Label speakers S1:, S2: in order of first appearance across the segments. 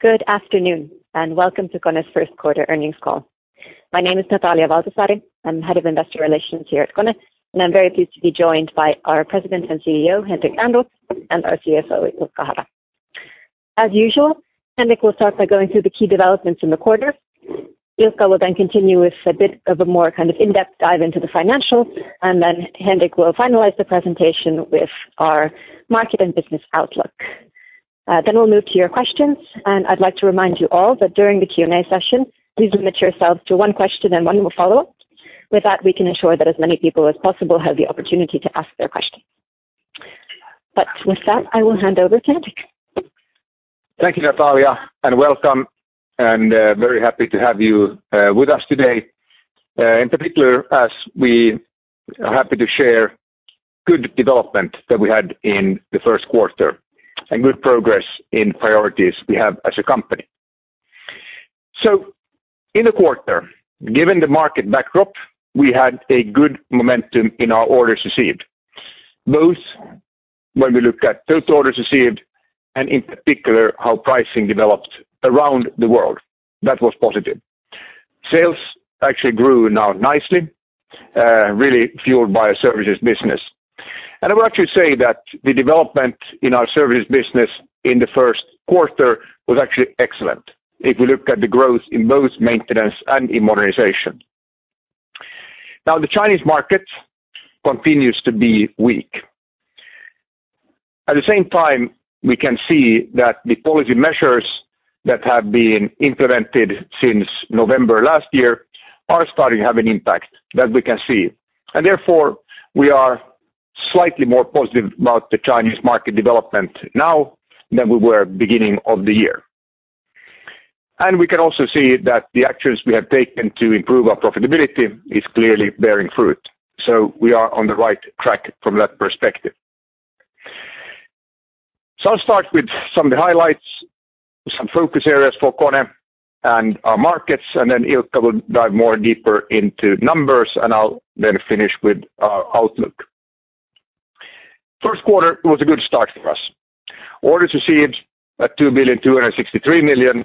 S1: Good afternoon, and welcome to KONE's first quarter earnings call. My name is Natalia Valtasaari. I'm Head of Investor Relations here at KONE, and I'm very pleased to be joined by our President and CEO, Henrik Ehrnrooth, and our CFO, Ilkka Hara. As usual, Henrik will start by going through the key developments in the quarter. Ilkka will then continue with a bit of a more kind of in-depth dive into the financials, and then Henrik will finalize the presentation with our market and business outlook. Then we'll move to your questions, and I'd like to remind you all that during the Q&A session, please limit yourselves to one question and one follow-up. With that, we can ensure that as many people as possible have the opportunity to ask their questions. With that, I will hand over to Henrik.
S2: Thank you, Natalia, and welcome, and very happy to have you with us today. In particular, as we are happy to share good development that we had in the first quarter and good progress in priorities we have as a company. In the quarter, given the market backdrop, we had a good momentum in our orders received, both when we look at total orders received and in particular how pricing developed around the world. That was positive. Sales actually grew now nicely, really fueled by our services business. I would actually say that the development in our service business in the first quarter was actually excellent if we look at the growth in both maintenance and in modernization. Now, the Chinese market continues to be weak. At the same time, we can see that the policy measures that have been implemented since November last year are starting to have an impact that we can see. Therefore, we are slightly more positive about the Chinese market development now than we were beginning of the year. We can also see that the actions we have taken to improve our profitability is clearly bearing fruit. We are on the right track from that perspective. I'll start with some of the highlights, some focus areas for KONE and our markets, and then Ilkka will dive more deeper into numbers, and I'll then finish with our outlook. First quarter was a good start for us. Orders received at 2,263 million.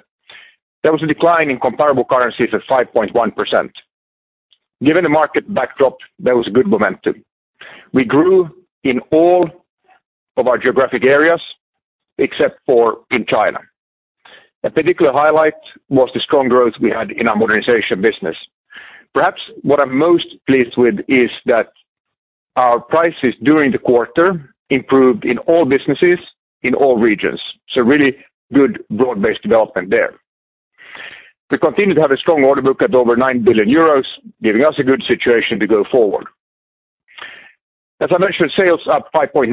S2: There was a decline in comparable currencies of 5.1%. Given the market backdrop, there was good momentum. We grew in all of our geographic areas except for in China. A particular highlight was the strong growth we had in our modernization business. Perhaps what I'm most pleased with is that our prices during the quarter improved in all businesses in all regions, really good broad-based development there. We continue to have a strong order book at over 9 billion euros, giving us a good situation to go forward. As I mentioned, sales up 5.9%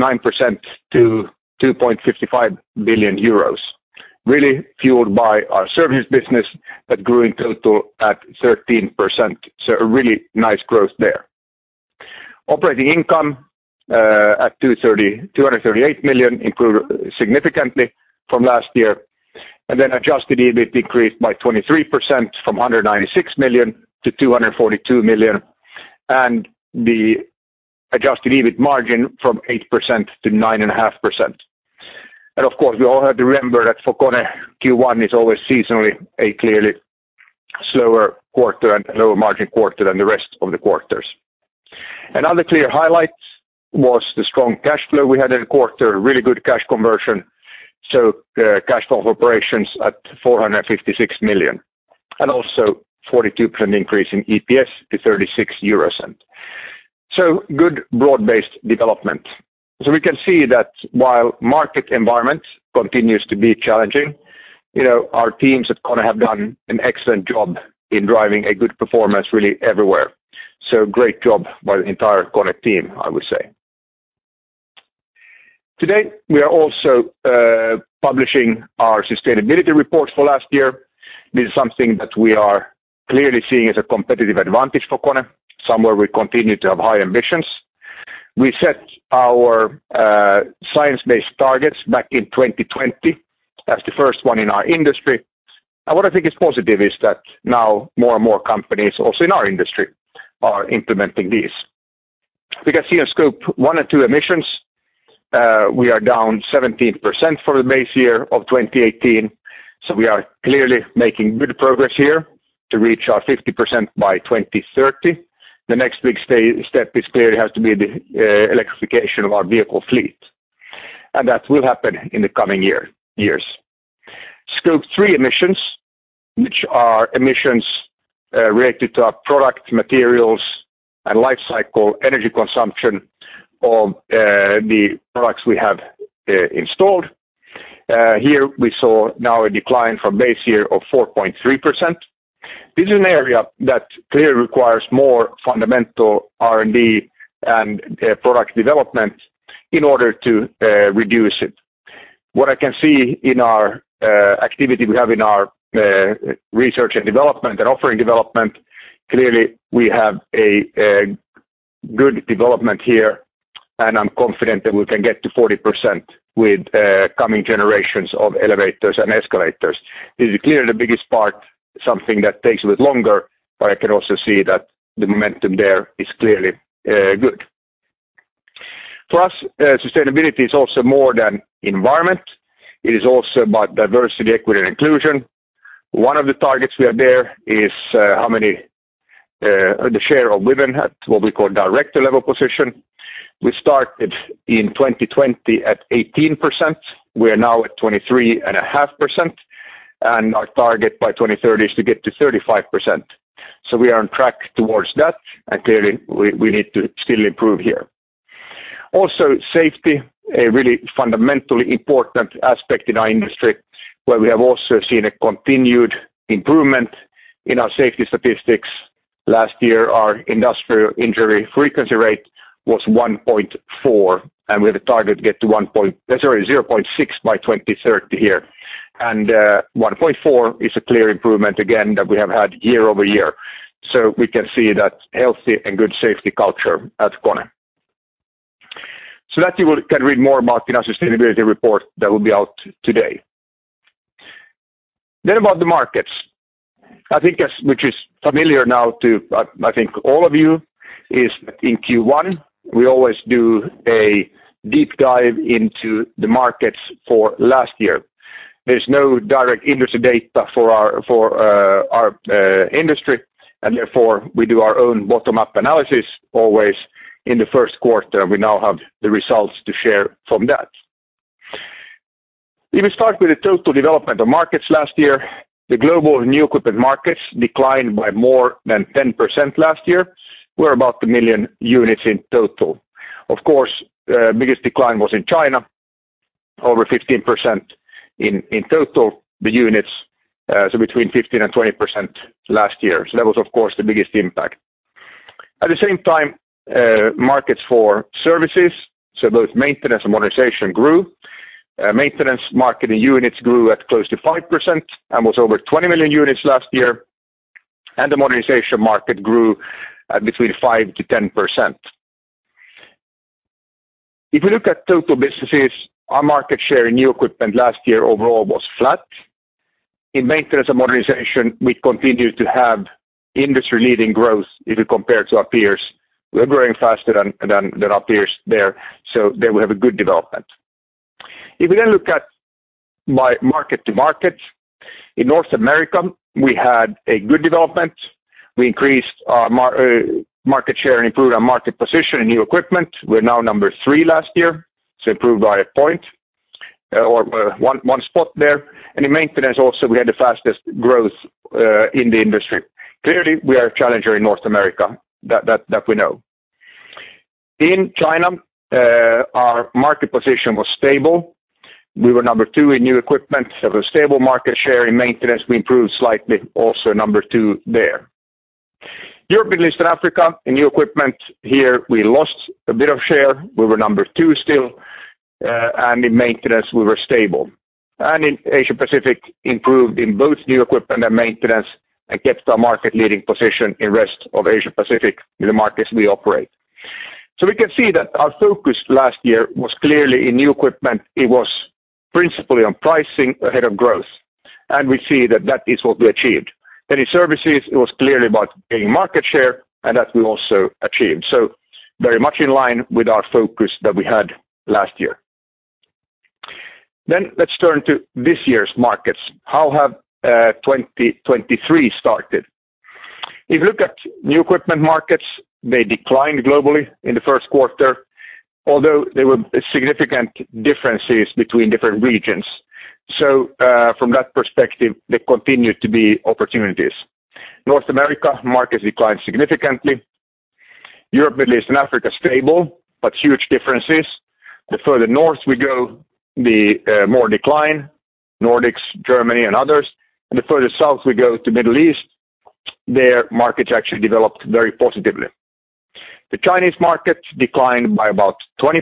S2: to 2.55 billion euros, really fueled by our services business that grew in total at 13%. A really nice growth there. Operating income at 238 million improved significantly from last year. adjusted EBIT decreased by 23% from 196 million to 242 million, and the adjusted EBIT margin from 8% to 9.5%. Of course, we all have to remember that for KONE, Q1 is always seasonally a clearly slower quarter and lower margin quarter than the rest of the quarters. Another clear highlight was the strong cash flow we had in the quarter, really good cash conversion. cash flow operations at 456 million, and also 42% increase in EPS to 0.36. Good broad-based development. We can see that while market environment continues to be challenging, you know, our teams at KONE have done an excellent job in driving a good performance really everywhere. Great job by the entire KONE team, I would say. Today, we are also publishing our sustainability report for last year. This is something that we are clearly seeing as a competitive advantage for KONE, somewhere we continue to have high ambitions. We set our science-based targets back in 2020 as the first one in our industry. What I think is positive is that now more and more companies also in our industry are implementing these. We can see in Scope 1 and 2 emissions, we are down 17% for the base year of 2018, so we are clearly making good progress here to reach our 50% by 2030. The next big step is clearly has to be the electrification of our vehicle fleet, and that will happen in the coming years. Scope three emissions, which are emissions related to our product materials and life cycle energy consumption of the products we have installed. Here we saw now a decline from base year of 4.3%. This is an area that clearly requires more fundamental R&D and product development in order to reduce it. What I can see in our activity we have in our research and development and offering development, clearly, we have a good development here, and I'm confident that we can get to 40% with coming generations of elevators and escalators. This is clearly the biggest part, something that takes a bit longer, but I can also see that the momentum there is clearly good. For us, sustainability is also more than environment. It is also about diversity, equity, and inclusion. One of the targets we have there is, how many, the share of women at what we call director level position. We started in 2020 at 18%. We are now at 23.5%, and our target by 2030 is to get to 35%. We are on track towards that, and clearly we need to still improve here. Also, safety, a really fundamentally important aspect in our industry, where we have also seen a continued improvement in our safety statistics. Last year, our industrial injury frequency rate was 1.4, and we have a target to get to 0.6 by 2030 here. 1.4 is a clear improvement again that we have had year-over-year. We can see that healthy and good safety culture at KONE. That you can read more about in our sustainability report that will be out today. About the markets. I think as which is familiar now to, I think all of you is in Q1, we always do a deep dive into the markets for last year. There's no direct industry data for our, for our industry, and therefore we do our own bottom-up analysis always in the first quarter. We now have the results to share from that. If you start with the total development of markets last year, the global new equipment markets declined by more than 10% last year. We're about 1 million units in total. Of course, biggest decline was in China, over 15% in total the units, so between 15% and 20% last year. That was of course the biggest impact. At the same time, markets for services, so both maintenance and modernization grew. Maintenance market in units grew at close to 5% and was over 20 million units last year. The modernization market grew at between 5%-10%. If you look at total businesses, our market share in new equipment last year overall was flat. In maintenance and modernization, we continued to have industry-leading growth if you compare to our peers. We're growing faster than our peers there. There we have a good development. If you then look at by market to market, in North America, we had a good development. We increased our market share and improved our market position in new equipment. We're now number three last year, so improved by a point, or one spot there. In maintenance, also we had the fastest growth in the industry. Clearly, we are a challenger in North America. That we know. In China, our market position was stable. We were number two in new equipment. A stable market share. In maintenance, we improved slightly, also number two there. Europe, Middle East, and Africa, in new equipment here, we lost a bit of share. We were number two still. In maintenance, we were stable. In Asia-Pacific, improved in both new equipment and maintenance and kept our market-leading position in rest of Asia-Pacific in the markets we operate. We can see that our focus last year was clearly in new equipment. It was principally on pricing ahead of growth. We see that that is what we achieved. In services, it was clearly about gaining market share, and that we also achieved. Very much in line with our focus that we had last year. Let's turn to this year's markets. How have 2023 started? If you look at new equipment markets, they declined globally in the first quarter, although there were significant differences between different regions. From that perspective, there continued to be opportunities. North America markets declined significantly. Europe, Middle East, and Africa, stable, but huge differences. The further north we go, the more decline, Nordics, Germany, and others. The further south we go to Middle East, their markets actually developed very positively. The Chinese market declined by about 20%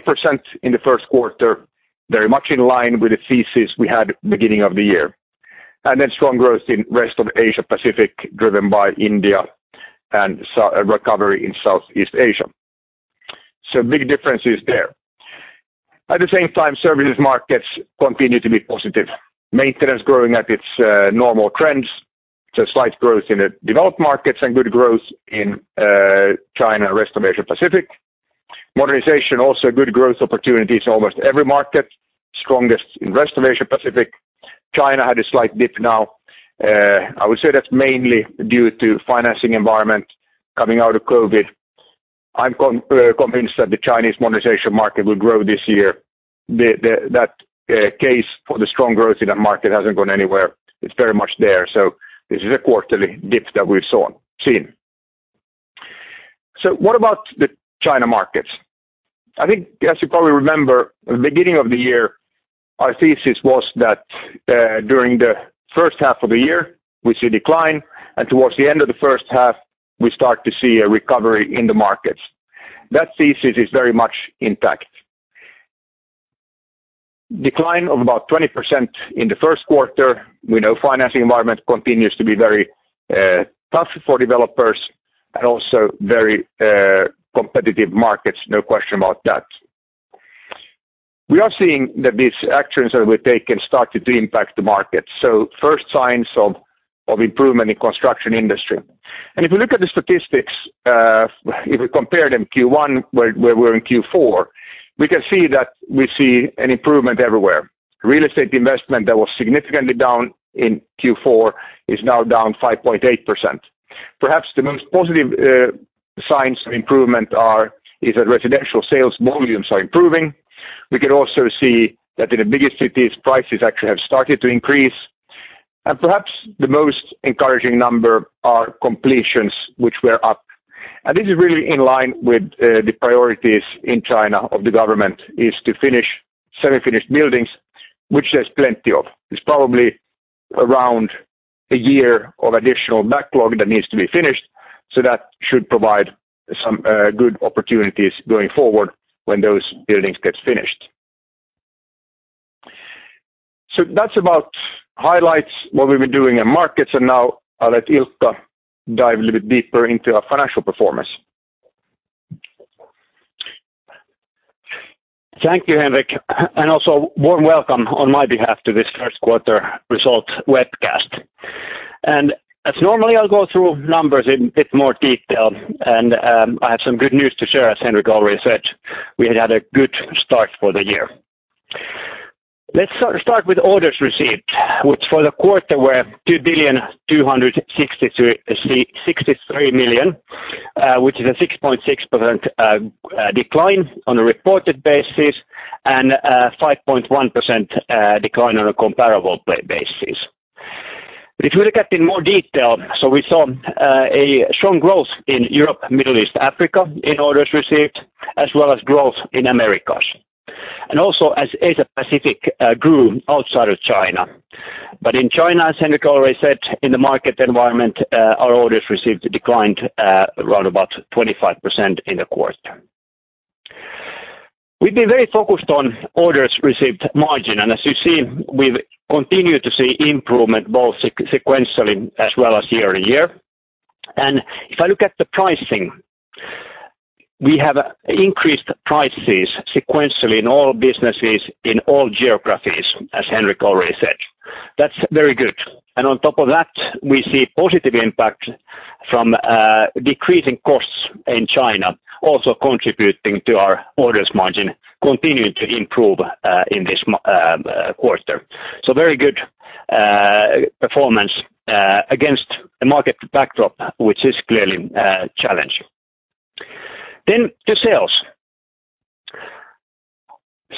S2: in the first quarter, very much in line with the thesis we had beginning of the year. Then strong growth in rest of Asia-Pacific, driven by India and recovery in Southeast Asia. Big differences there. At the same time, services markets continued to be positive. Maintenance growing at its normal trends, so slight growth in the developed markets and good growth in China, rest of Asia-Pacific. Modernization also good growth opportunities almost every market. Strongest in rest of Asia-Pacific. China had a slight dip now. I would say that's mainly due to financing environment coming out of COVID. I'm convinced that the Chinese modernization market will grow this year. That case for the strong growth in that market hasn't gone anywhere. It's very much there. This is a quarterly dip that we've seen. What about the China markets? I think as you probably remember, beginning of the year, our thesis was that during the first half of the year, we see decline, and towards the end of the first half, we start to see a recovery in the markets. That thesis is very much intact. Decline of about 20% in the first quarter. We know financing environment continues to be very tough for developers and also very competitive markets, no question about that. We are seeing that these actions that we've taken started to impact the market. First signs of improvement in construction industry. If you look at the statistics, if we compare them Q1 where we're in Q4, we can see that we see an improvement everywhere. Real estate investment that was significantly down in Q4 is now down 5.8%. Perhaps the most positive signs of improvement is that residential sales volumes are improving. We can also see that in the biggest cities, prices actually have started to increase. Perhaps the most encouraging number are completions, which were up. This is really in line with the priorities in China of the government, is to finish semi-finished buildings, which there's plenty of. There's probably around a year of additional backlog that needs to be finished, that should provide some good opportunities going forward when those buildings get finished. That's about highlights, what we've been doing in markets, and now I'll let Ilkka dive a little bit deeper into our financial performance.
S3: Thank you, Henrik, also warm welcome on my behalf to this first quarter result webcast. As normally, I'll go through numbers in a bit more detail, and I have some good news to share. As Henrik already said, we had a good start for the year. Let's start with orders received, which for the quarter were 2,263 million, which is a 6.6% decline on a reported basis and a 5.1% decline on a comparable basis. If you look at in more detail, we saw a strong growth in Europe, Middle East, Africa in orders received, as well as growth in Americas. Also as Asia Pacific grew outside of China. In China, as Henrik already said, in the market environment, our orders received declined around about 25% in the quarter. We've been very focused on orders received margin, and as you see, we've continued to see improvement both sequentially as well as year to year. If I look at the pricing, we have increased prices sequentially in all businesses in all geographies, as Henrik already said. That's very good. On top of that, we see positive impact from decreasing costs in China also contributing to our orders margin continuing to improve in this quarter. Very good performance against the market backdrop, which is clearly challenged. To sales.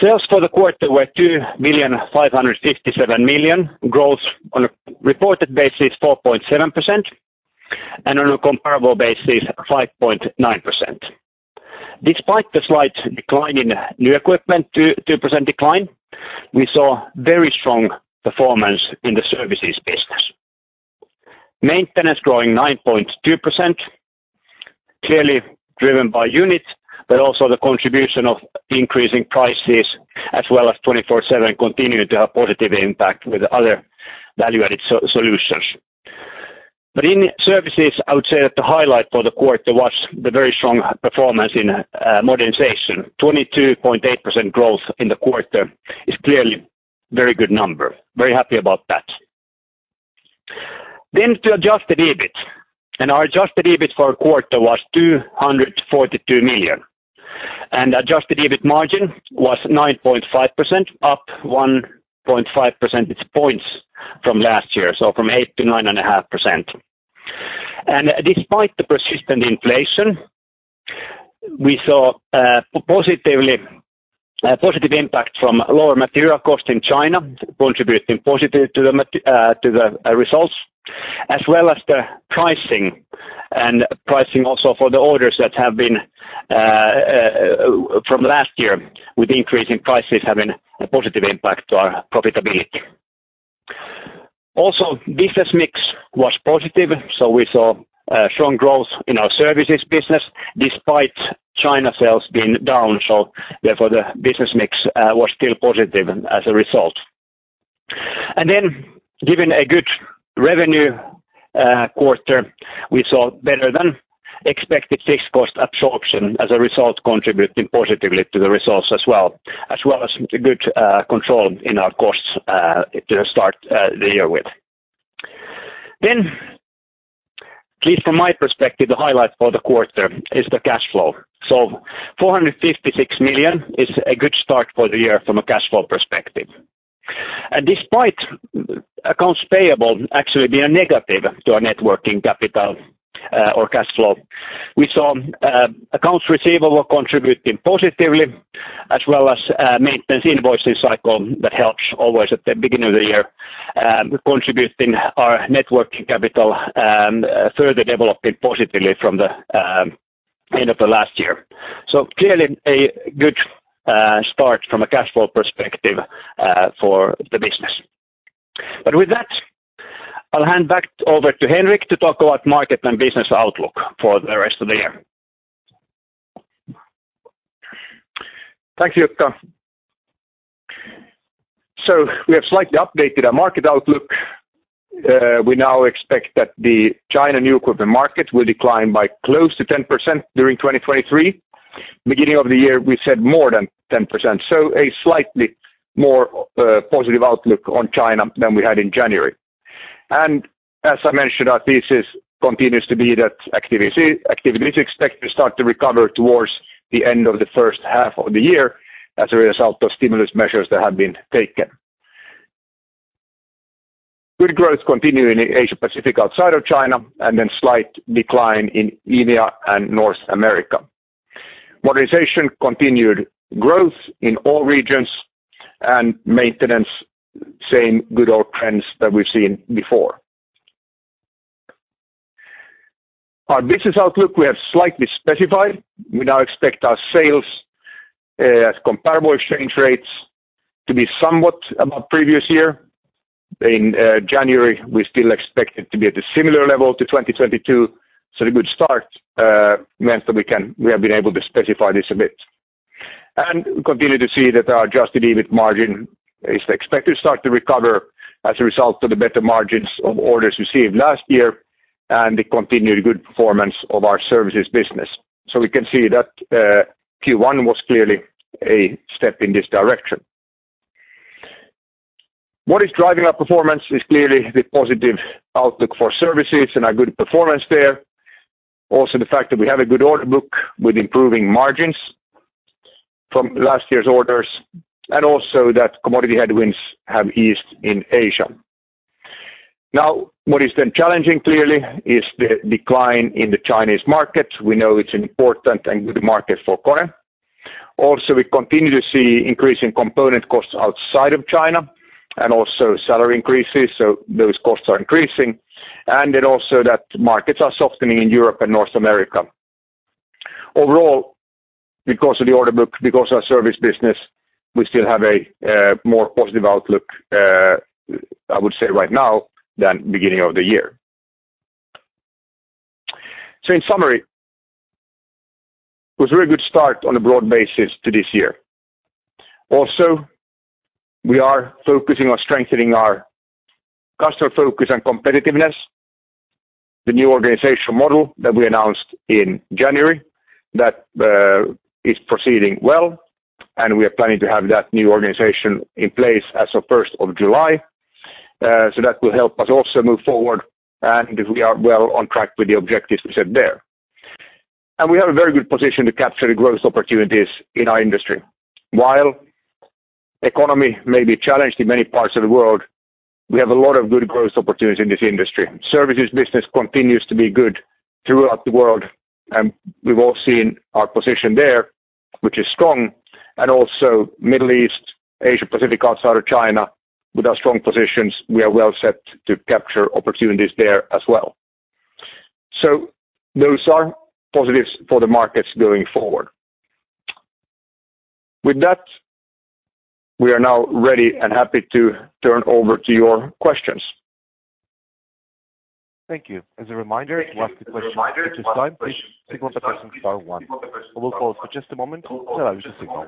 S3: Sales for the quarter were 559 million. Growth on a reported basis, 4.7%, and on a comparable basis, 5.9%. Despite the slight decline in new equipment, 2.2% decline, we saw very strong performance in the services business. Maintenance growing 9.2%, clearly driven by units, but also the contribution of increasing prices as well as 24/7 continued to have positive impact with other value-added solutions. In services, I would say that the highlight for the quarter was the very strong performance in modernization. 22.8% growth in the quarter is clearly very good number. Very happy about that. To adjusted EBIT. Our adjusted EBIT for quarter was 242 million. Adjusted EBIT margin was 9.5%, up 1.5 percentage points from last year, so from 8% to 9.5%. Despite the persistent inflation, we saw a positive impact from lower material cost in China contributing positive to the results, as well as the pricing and pricing also for the orders that have been from last year with increasing prices having a positive impact to our profitability. Business mix was positive, so we saw strong growth in our services business despite China sales being down. The business mix was still positive as a result. Given a good revenue quarter, we saw better than expected fixed cost absorption as a result, contributing positively to the results as well, as well as good control in our costs to start the year with. At least from my perspective, the highlight for the quarter is the cash flow. Four hundred and fifty-six million is a good start for the year from a cash flow perspective. Despite accounts payable actually being negative to our net working capital, or cash flow, we saw accounts receivable contributing positively as well as maintenance invoicing cycle that helps always at the beginning of the year, contributing our net working capital further developing positively from the end of the last year. Clearly a good start from a cash flow perspective for the business. With that, I'll hand back over to Henrik to talk about market and business outlook for the rest of the year.
S2: Thank you. We have slightly updated our market outlook. We now expect that the China new equipment market will decline by close to 10% during 2023. Beginning of the year, we said more than 10%. A slightly more positive outlook on China than we had in January. As I mentioned, our thesis continues to be that activity is expected to start to recover towards the end of the first half of the year as a result of stimulus measures that have been taken. Good growth continuing in Asia Pacific outside of China, slight decline in EMEA and North America. Modernization continued growth in all regions and maintenance, same good old trends that we've seen before. Our business outlook, we have slightly specified. We now expect our sales, as comparable exchange rates to be somewhat above previous year. In January, we still expect it to be at a similar level to 2022. The good start meant that we have been able to specify this a bit. We continue to see that our adjusted EBIT margin is expected to start to recover as a result of the better margins of orders received last year and the continued good performance of our services business. We can see that Q1 was clearly a step in this direction. What is driving our performance is clearly the positive outlook for services and our good performance there. The fact that we have a good order book with improving margins from last year's orders, and also that commodity headwinds have eased in Asia. What is then challenging, clearly, is the decline in the Chinese market. We know it's an important and good market for KONE. We continue to see increasing component costs outside of China and also salary increases. Those costs are increasing. That markets are softening in Europe and North America. Overall, because of the order book, because our service business, we still have a more positive outlook, I would say right now than beginning of the year. In summary, it was a very good start on a broad basis to this year. We are focusing on strengthening our customer focus and competitiveness. The new organizational model that we announced in January that is proceeding well, and we are planning to have that new organization in place as of 1st of July. That will help us also move forward, and we are well on track with the objectives we set there. We have a very good position to capture the growth opportunities in our industry. While economy may be challenged in many parts of the world, we have a lot of good growth opportunities in this industry. Services business continues to be good throughout the world, and we've all seen our position there, which is strong. Also Middle East, Asia Pacific outside of China with our strong positions, we are well set to capture opportunities there as well. Those are positives for the markets going forward. With that, we are now ready and happy to turn over to your questions.
S4: Thank you. As a reminder, to ask a question, press star one. Please signal the person star one. We will pause for just a moment to allow you to signal.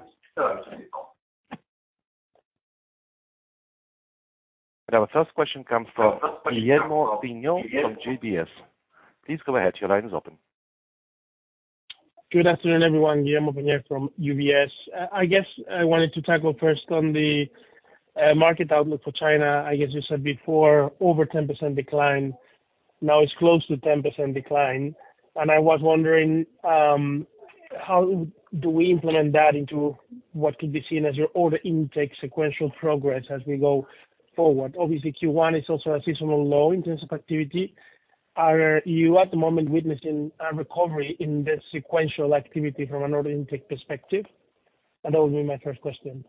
S4: Our first question comes from Guillermo Peigneux-Lojo from UBS. Please go ahead. Your line is open.
S5: Good afternoon, everyone. Guillermo Peigneux-Lojo from UBS. I guess I wanted to tackle first on the market outlook for China. I guess you said before, over 10% decline. Now it's close to 10% decline. I was wondering how do we implement that into what could be seen as your order intake sequential progress as we go forward? Obviously, Q1 is also a seasonal low in terms of activity. Are you at the moment witnessing a recovery in the sequential activity from an order intake perspective? That would be my first question.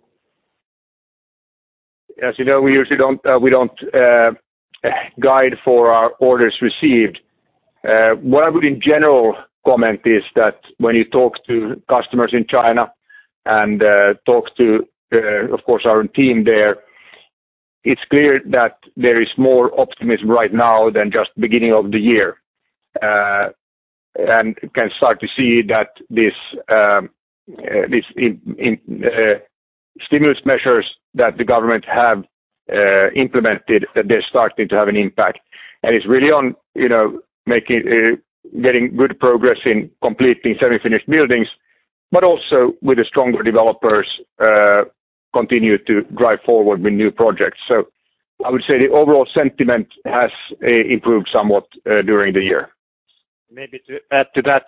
S2: As you know, we usually don't, we don't guide for our orders received. What I would in general comment is that when you talk to customers in China and talk to, of course, our team there, it's clear that there is more optimism right now than just beginning of the year. Can start to see that this stimulus measures that the government have implemented, that they're starting to have an impact. It's really on, you know, making, getting good progress in completing semi-finished buildings, but also with the stronger developers, continue to drive forward with new projects. I would say the overall sentiment has improved somewhat during the year.
S3: Maybe to add to that,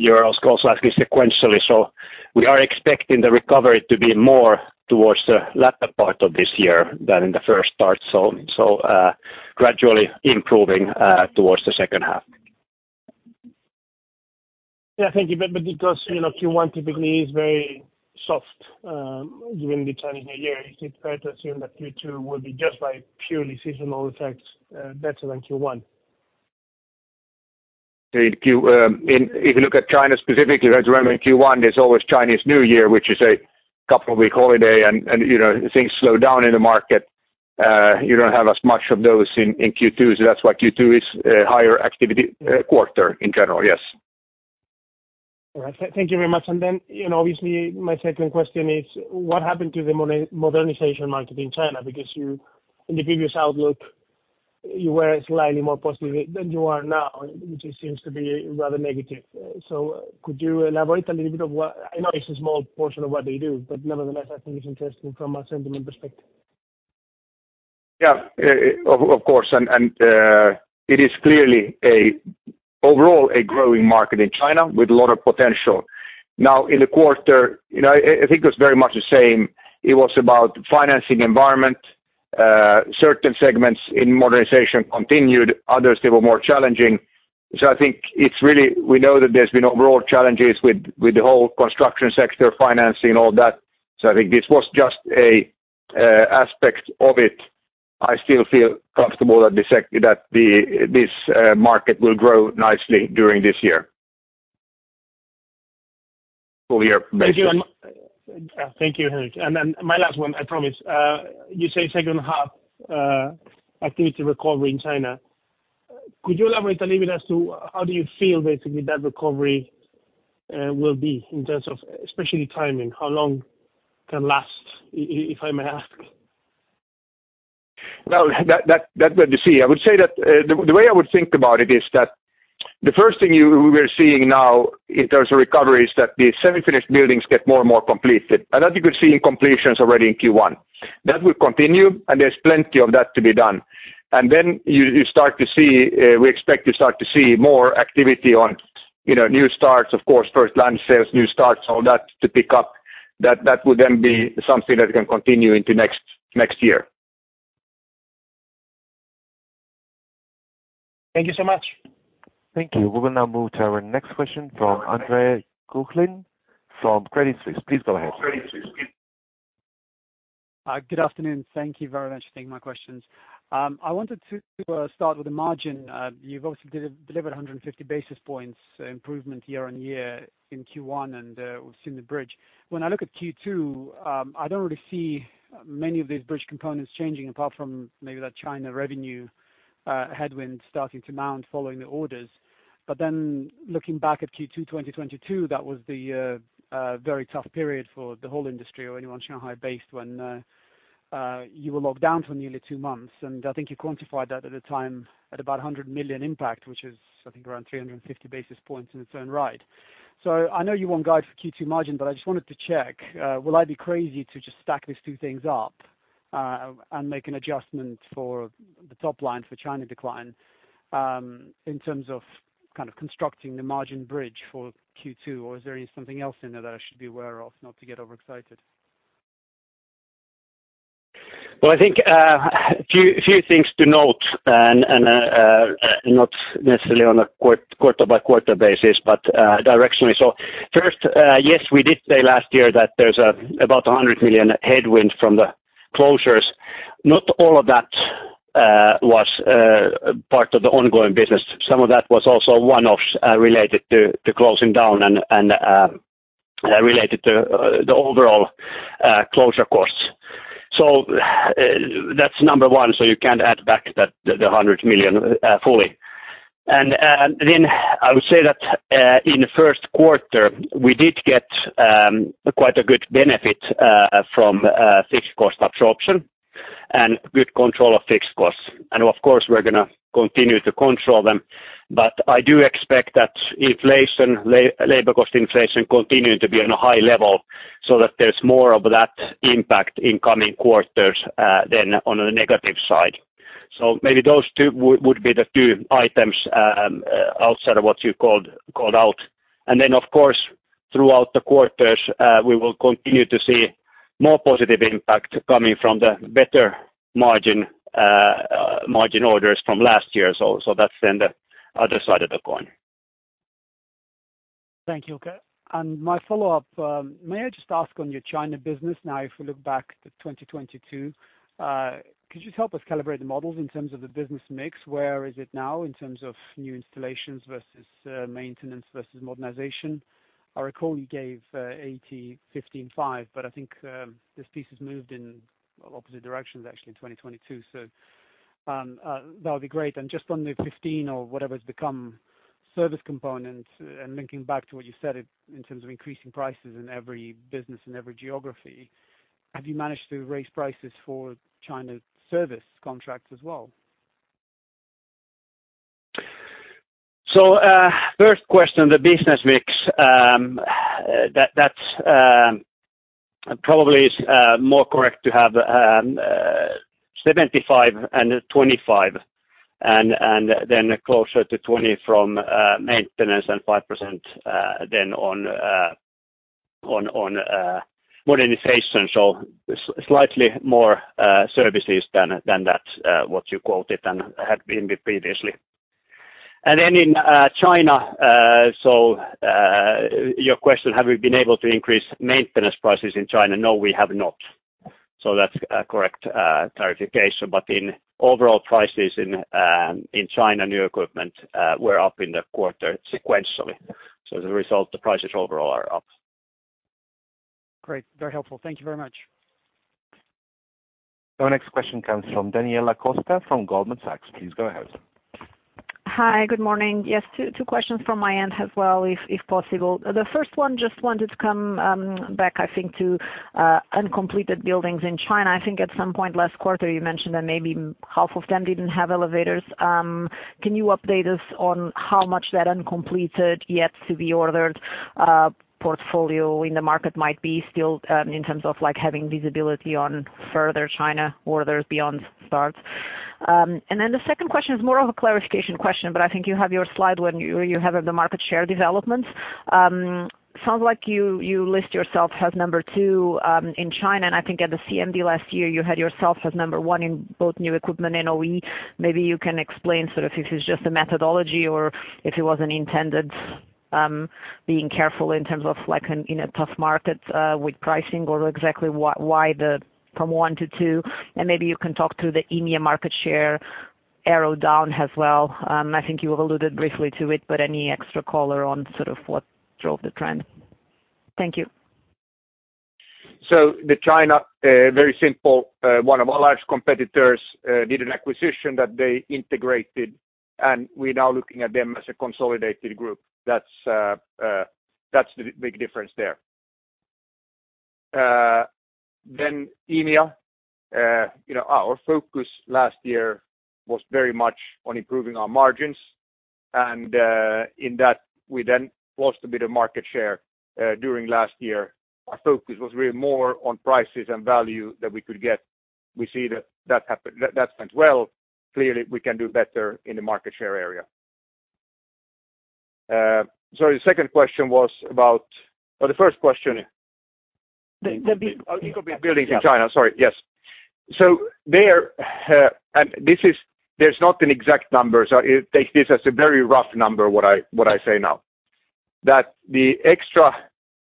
S3: you're also asking sequentially. We are expecting the recovery to be more towards the latter part of this year than in the first part. gradually improving towards the second half.
S5: Yeah, thank you. Because, you know, Q1 typically is very soft, during the Chinese New Year, is it fair to assume that Q2 will be just by purely seasonal effects, better than Q1?
S2: If you look at China specifically, you have to remember Q1, there's always Chinese New Year, which is a couple-week holiday and, you know, things slow down in the market. You don't have as much of those in Q2. That's why Q2 is a higher activity, quarter in general. Yes.
S5: All right. Thank you very much. Then, you know, obviously my second question is what happened to the modernization market in China? Because in the previous outlook, you were slightly more positive than you are now, which seems to be rather negative. Could you elaborate a little bit of what. I know it's a small portion of what they do, but nevertheless I think it's interesting from a sentiment perspective.
S2: Yeah. Of course. It is clearly an overall growing market in China with a lot of potential. Now, in the quarter, you know, I think it was very much the same. It was about financing environment. Certain segments in modernization continued, others, they were more challenging. I think it's really we know that there's been overall challenges with the whole construction sector, financing, all that. This was just an aspect of it. I still feel comfortable that the market will grow nicely during this year. Full year basically.
S5: Thank you. Thank you, Henrik. My last one, I promise. You say second half activity recovery in China. Could you elaborate a little bit as to how do you feel basically that recovery will be in terms of especially timing? How long can last, if I may ask?
S2: Well, that's good to see. I would say that the way I would think about it is that the first thing we're seeing now in terms of recovery is that the semi-finished buildings get more and more completed. That you could see in completions already in Q1. That will continue, and there's plenty of that to be done. Then you start to see, we expect to start to see more activity on, you know, new starts, of course, first land sales, new starts, all that to pick up. That would then be something that can continue into next year.
S5: Thank you so much.
S4: Thank you. We will now move to our next question from Andre Kukhnin from Credit Suisse. Please go ahead.
S6: Good afternoon. Thank you very much for taking my questions. I wanted to start with the margin. You've obviously de-delivered 150 basis points improvement year-over-year in Q1, and we've seen the bridge. When I look at Q2, I don't really see many of these bridge components changing apart from maybe that China revenue headwind starting to mount following the orders. Looking back at Q2 2022, that was the very tough period for the whole industry or anyone Shanghai-based when you were locked down for nearly two months. I think you quantified that at the time at about a 100 million impact, which is I think around 350 basis points in its own right. I know you won't guide for Q2 margin, but I just wanted to check. Will I be crazy to just stack these two things up, and make an adjustment for the top line for China decline, in terms of kind of constructing the margin bridge for Q2? Is there anything else in there that I should be aware of not to get overexcited?
S3: Well, I think a few things to note and not necessarily on a quarter by quarter basis, but directionally. First, yes, we did say last year that there's a about 100 million headwind from the closures. Not all of that was part of the ongoing business. Some of that was also one-offs related to closing down and related to the overall closure costs. That's number one, so you can't add back that, the 100 million fully. I would say that in the first quarter we did get quite a good benefit from fixed cost absorption and good control of fixed costs. Of course, we're gonna continue to control them. I do expect that inflation, labor cost inflation continuing to be on a high level so that there's more of that impact in coming quarters than on a negative side. Maybe those two would be the two items outside of what you called out. Of course, throughout the quarters, we will continue to see more positive impact coming from the better margin margin orders from last year. That's then the other side of the coin.
S6: Thank you. Okay. My follow-up, may I just ask on your China business now, if we look back to 2022, could you just help us calibrate the models in terms of the business mix? Where is it now in terms of new installations versus maintenance versus modernization? I recall you gave 80%, 15%, 5%, but I think this piece has moved in opposite directions actually in 2022. That'll be great. Just on the 15% or whatever has become service component and linking back to what you said it in terms of increasing prices in every business and every geography, have you managed to raise prices for China's service contracts as well?
S3: First question, the business mix. That, that's, probably is, more correct to have, 75 and 25 and, then closer to 20 from, maintenance and 5%, then on, modernization. Slightly more, services than, that, what you quoted and had been previously. Then in, China, your question, have we been able to increase maintenance prices in China? No, we have not. That's a correct, clarification. But in overall prices in, China, new equipment, were up in the quarter sequentially. As a result, the prices overall are up.
S6: Great. Very helpful. Thank you very much.
S4: Our next question comes from Daniela Costa from Goldman Sachs. Please go ahead.
S7: Hi, good morning. Yes, two questions from my end as well if possible. The first one just wanted to come back, I think, to uncompleted buildings in China. I think at some point last quarter you mentioned that maybe half of them didn't have elevators. Can you update us on how much that uncompleted yet to be ordered portfolio in the market might be still in terms of like having visibility on further China orders beyond start? The second question is more of a clarification question, but I think you have your slide when you have the market share developments. Sounds like you list yourself as number two in China, and I think at the CMD last year, you had yourself as number one in both new equipment and OE. Maybe you can explain sort of if it's just a methodology or if it was an intended, being careful in terms of like in a tough market, with pricing or exactly why the from one to two, and maybe you can talk to the EMEA market share arrow down as well. I think you alluded briefly to it, any extra color on sort of what drove the trend. Thank you.
S2: The China, very simple, one of our large competitors, did an acquisition that they integrated, and we're now looking at them as a consolidated group. That's the big difference there. EMEA, you know, our focus last year was very much on improving our margins, and in that we then lost a bit of market share during last year. Our focus was really more on prices and value that we could get. We see that that happened, that went well. Clearly, we can do better in the market share area. Sorry, the second question was about... The first question. The incomplete buildings in China. Sorry, yes. There, and this is there's not an exact number, take this as a very rough number what I say now. That the extra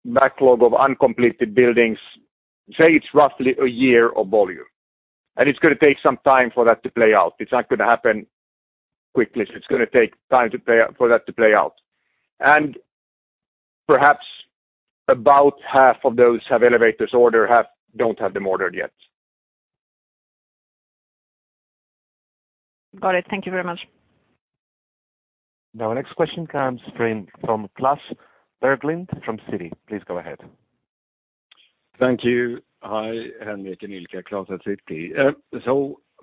S2: backlog of uncompleted buildings, say it's roughly a year of volume. It's gonna take some time for that to play out. It's not gonna happen quickly. It's gonna take time to play out, for that to play out. Perhaps about half of those have elevators order, half don't have them ordered yet.
S7: Got it. Thank you very much.
S4: Our next question comes from Klas Bergelind from Citi. Please go ahead.
S8: Thank you. Hi, Henrik and Ilkka, Klas at Citi.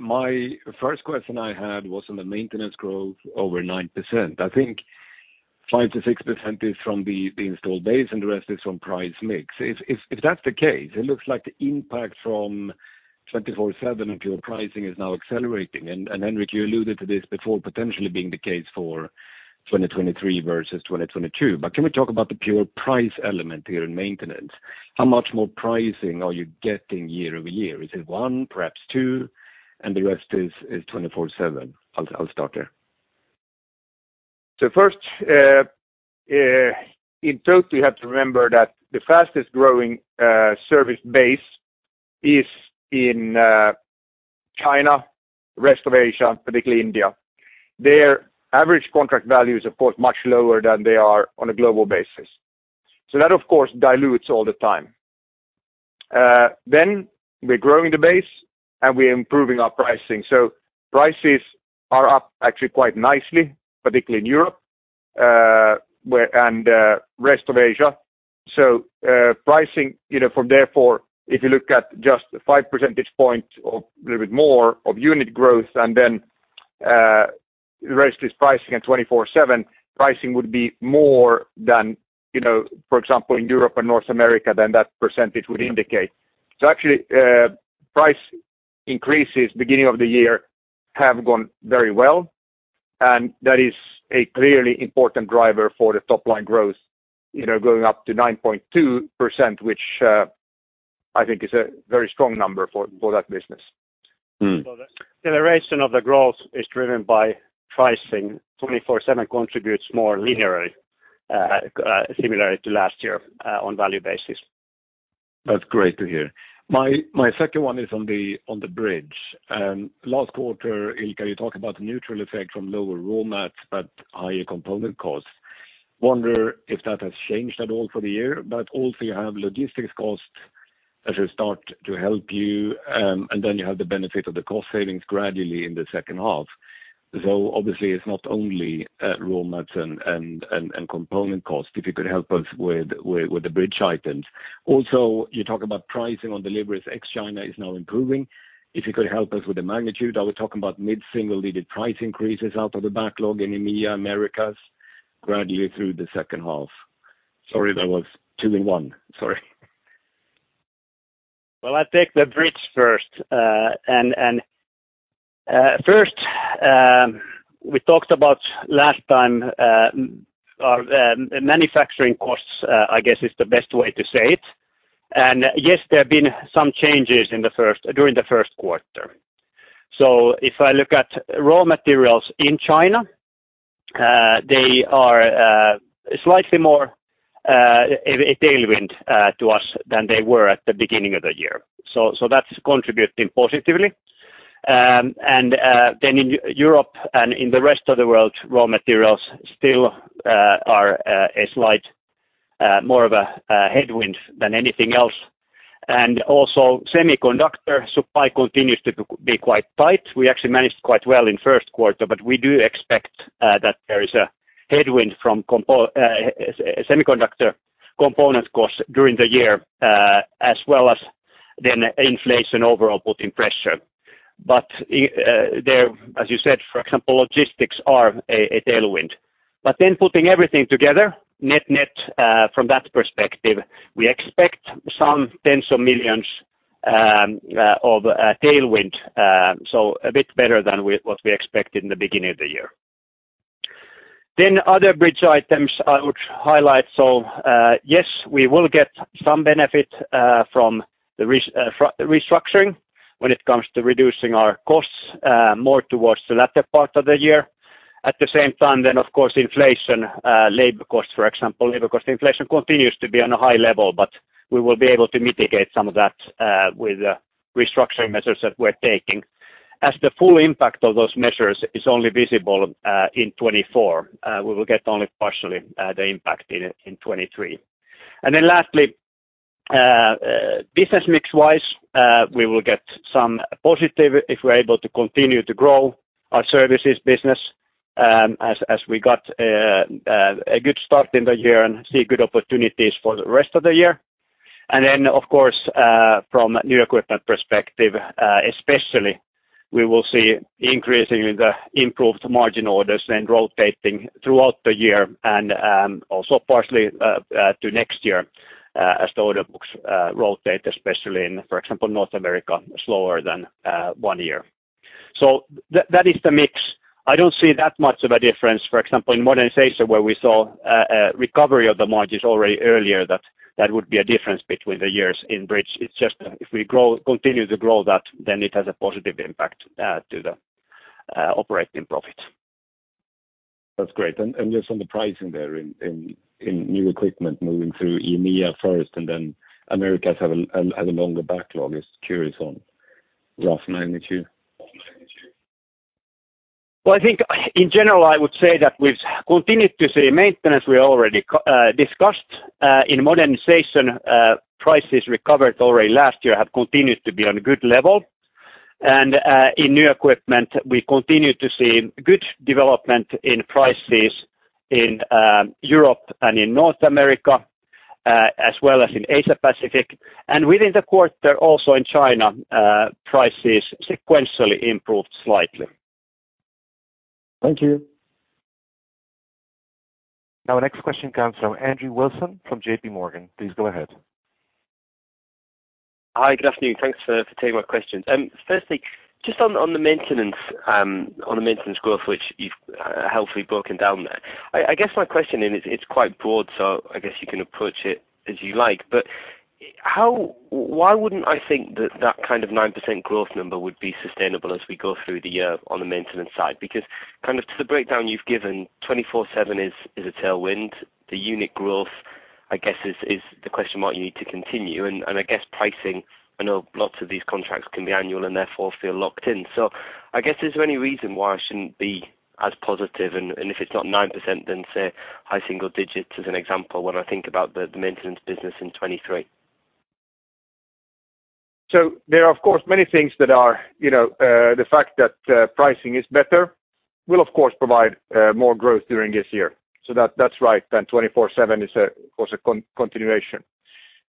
S8: My first question I had was on the maintenance growth over 9%. I think 5%-6% is from the installed base, and the rest is from price mix. If that's the case, it looks like the impact from 24/7 of your pricing is now accelerating. Henrik, you alluded to this before potentially being the case for 2023 versus 2022. Can we talk about the pure price element here in maintenance? How much more pricing are you getting year-over-year? Is it one, perhaps two, and the rest is 24/7? I'll start there.
S2: First, in total, you have to remember that the fastest growing service base is in China, rest of Asia, particularly India. Their average contract value is of course much lower than they are on a global basis. That of course dilutes all the time. Then we're growing the base and we're improving our pricing. Prices are up actually quite nicely, particularly in Europe, where and, rest of Asia. Pricing, you know, therefore if you look at just five percentage point or little bit more of unit growth and then, the rest is pricing at 24/7, pricing would be more than, you know, for example, in Europe and North America than that percentage would indicate. actually, price increases beginning of the year have gone very well, and that is a clearly important driver for the top line growth, you know, going up to 9.2%, which, I think is a very strong number for that business. The generation of the growth is driven by pricing. 24/7 contributes more linearly, similarly to last year, on value basis.
S8: That's great to hear. My second one is on the bridge. Last quarter, Ilkka, you talked about the neutral effect from lower raw mats, but higher component costs. Wonder if that has changed at all for the year. Also you have logistics costs as you start to help you, and then you have the benefit of the cost savings gradually in the second half. Obviously it's not only raw mats and component costs. If you could help us with the bridge items. You talk about pricing on deliveries ex-China is now improving. If you could help us with the magnitude. Are we talking about mid-single digit price increases out of the backlog in EMEA, Americas gradually through the second half? Sorry, that was two in one. Sorry.
S2: Well, I'll take the bridge first. First, we talked about last time, our manufacturing costs, I guess is the best way to say it. Yes, there have been some changes during the first quarter. If I look at raw materials in China, they are slightly more a tailwind to us than they were at the beginning of the year. That's contributing positively. In Europe and in the rest of the world, raw materials still are a slight
S3: More of a headwind than anything else. Also semiconductor supply continues to be quite tight. We actually managed quite well in first quarter, but we do expect that there is a headwind from semiconductor component costs during the year, as well as inflation overall putting pressure. There, as you said, for example, logistics are a tailwind. Putting everything together net-net, from that perspective, we expect some tens of millions of tailwind. A bit better than we-what we expected in the beginning of the year. Other bridge items I would highlight. Yes, we will get some benefit from the restructuring when it comes to reducing our costs, more towards the latter part of the year. At the same time, of course, inflation, labor costs, for example, labor cost inflation continues to be on a high level, but we will be able to mitigate some of that with the restructuring measures that we're taking. As the full impact of those measures is only visible in 2024, we will get only partially the impact in 2023. Lastly, business mix wise, we will get some positive if we're able to continue to grow our services business, as we got a good start in the year and see good opportunities for the rest of the year. Of course, from new equipment perspective, especially we will see increasing the improved margin orders then rotating throughout the year and also partially to next year, as the order books rotate, especially in, for example, North America, slower than one year. That is the mix. I don't see that much of a difference. For example, in modernization, where we saw a recovery of the margins already earlier that would be a difference between the years in bridge. It's just if we continue to grow that, then it has a positive impact to the operating profit.
S8: That's great. Just on the pricing there in new equipment moving through EMEA first and then Americas have a longer backlog. Just curious on rough magnitude?
S3: Well, I think in general, I would say that we've continued to see maintenance we already discussed. In modernization, prices recovered already last year have continued to be on a good level. In new equipment, we continue to see good development in prices in Europe and in North America, as well as in Asia Pacific. Within the quarter, also in China, prices sequentially improved slightly.
S8: Thank you.
S4: Now, next question comes from Andrew Wilson from JPMorgan. Please go ahead.
S9: Hi. Good afternoon. Thanks for taking my questions. Firstly, just on the maintenance, on the maintenance growth, which you've helpfully broken down there. I guess my question is, it's quite broad, so I guess you can approach it as you like. Why wouldn't I think that that kind of 9% growth number would be sustainable as we go through the year on the maintenance side? Kind of to the breakdown you've given, 24/7 is a tailwind. The unit growth, I guess, is the question mark you need to continue. I guess pricing, I know lots of these contracts can be annual and therefore feel locked in. I guess is there any reason why I shouldn't be as positive? if it's not 9%, then say high single digits as an example when I think about the maintenance business in 2023.
S3: There are of course many things that are, you know, the fact that pricing is better will of course provide more growth during this year. That's right. 24/7 is of course a continuation.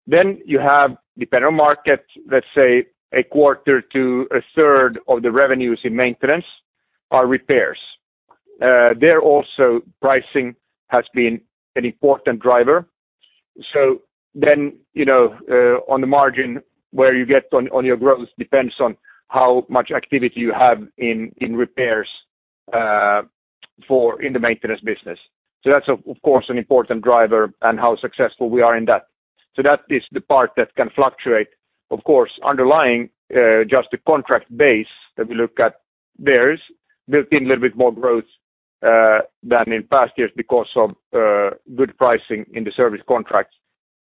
S3: You have dependent market, let's say a quarter to a third of the revenues in maintenance are repairs. There also pricing has been an important driver. You know, on the margin where you get on your growth depends on how much activity you have in repairs in the maintenance business. That's of course an important driver and how successful we are in that. That is the part that can fluctuate. Of course, underlying, just the contract base that we look at, there's built in a little bit more growth than in past years because of good pricing in the service contracts.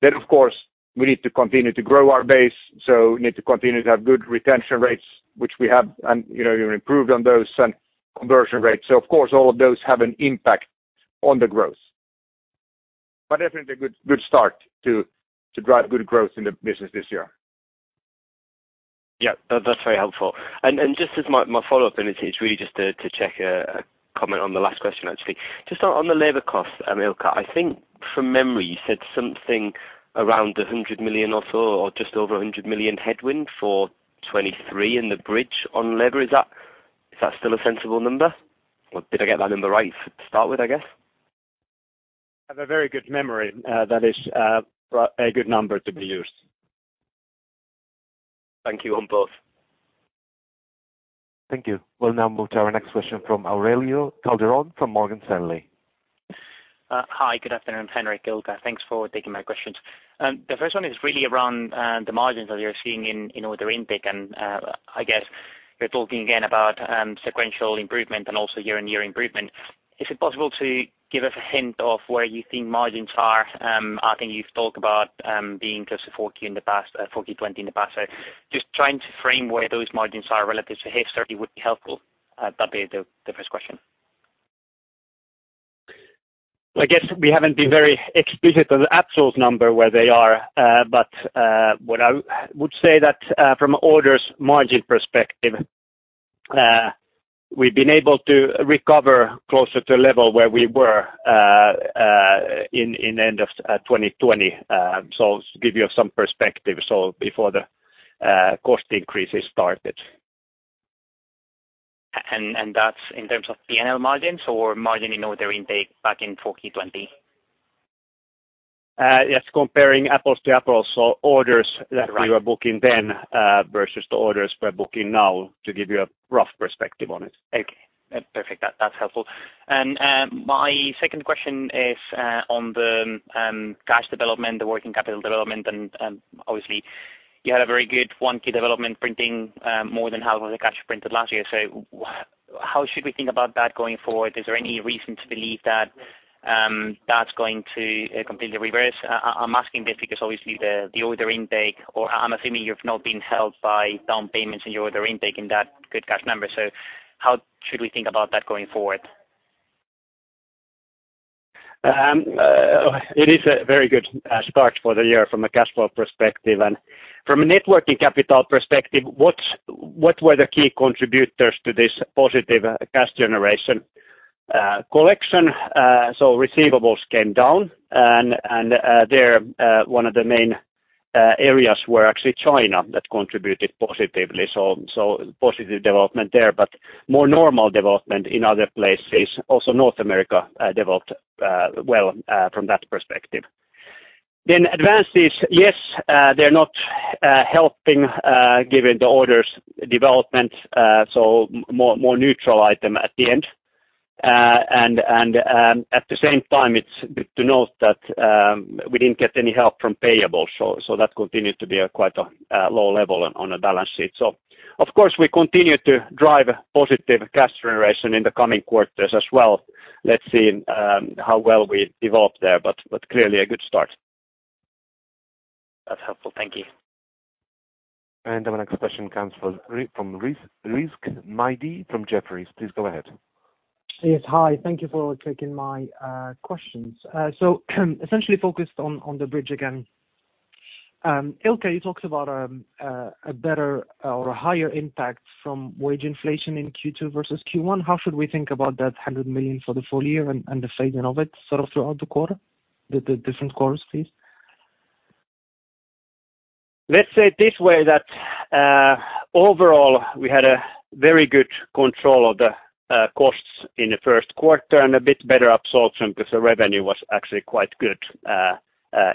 S3: Of course, we need to continue to grow our base, so we need to continue to have good retention rates, which we have, and you know, even improved on those and conversion rates. Of course, all of those have an impact on the growth. Definitely a good start to drive good growth in the business this year.
S9: Yeah. That, that's very helpful. Just as my follow-up, it's really just to check a comment on the last question, actually. Just on the labor cost, Ilkka, I think from memory you said something around 100 million or so or just over 100 million headwind for 2023 in the bridge on labor. Is that still a sensible number? Or did I get that number right to start with, I guess?
S3: You have a very good memory. That is a good number to be used.
S9: Thank you on both.
S4: Thank you. We'll now move to our next question from Aurelio Calderon from Morgan Stanley.
S10: Hi. Good afternoon, Henrik, Ilkka. Thanks for taking my questions. The first one is really around the margins that you're seeing in order intake. And I guess you're talking again about sequential improvement and also year-on-year improvement. Is it possible to give us a hint of where you think margins are? I think you've talked about being close to 4Q 2020 in the past. Just trying to frame where those margins are relative to history would be helpful. That'd be the first question.
S3: I guess we haven't been very explicit on the absolute number where they are. What I would say that, from orders margin perspective, we've been able to recover closer to level where we were, in end of 2020. To give you some perspective, so before the cost increases started.
S10: That's in terms of P&L margins or margin in order intake back in 2020?
S3: Yes, comparing apples to apples. Orders-
S10: Right.
S3: that we were booking then, versus the orders we're booking now to give you a rough perspective on it.
S10: Okay. Perfect. That's helpful. My second question is on the cash development, the working capital development. Obviously you had a very good 1Q development printing more than half of the cash you printed last year. How should we think about that going forward? Is there any reason to believe that that's going to completely reverse? I'm asking this because obviously the order intake or I'm assuming you've not been held by down payments in your order intake in that good cash number. How should we think about that going forward?
S3: It is a very good start for the year from a cash flow perspective. From a net working capital perspective, what were the key contributors to this positive cash generation? Collection, so receivables came down and they're one of the main areas were actually China that contributed positively. Positive development there, but more normal development in other places. Also North America developed well from that perspective. Advances, yes, they're not helping given the orders development. More neutral item at the end. At the same time, it's to note that we didn't get any help from payables, so that continued to be a quite low level on a balance sheet. Of course, we continue to drive positive cash generation in the coming quarters as well. Let's see how well we develop there, but clearly a good start.
S10: That's helpful. Thank you.
S4: Our next question comes from Rizk Maidi from Jefferies. Please go ahead.
S11: Yes. Hi. Thank you for taking my questions. Essentially focused on the bridge again. Ilkka, you talked about a better or a higher impact from wage inflation in Q2 versus Q1. How should we think about that 100 million for the full year and the phasing of it sort of throughout the quarter, the different quarters please?
S3: Let's say it this way, that overall we had a very good control of the costs in the first quarter and a bit better absorption 'cause the revenue was actually quite good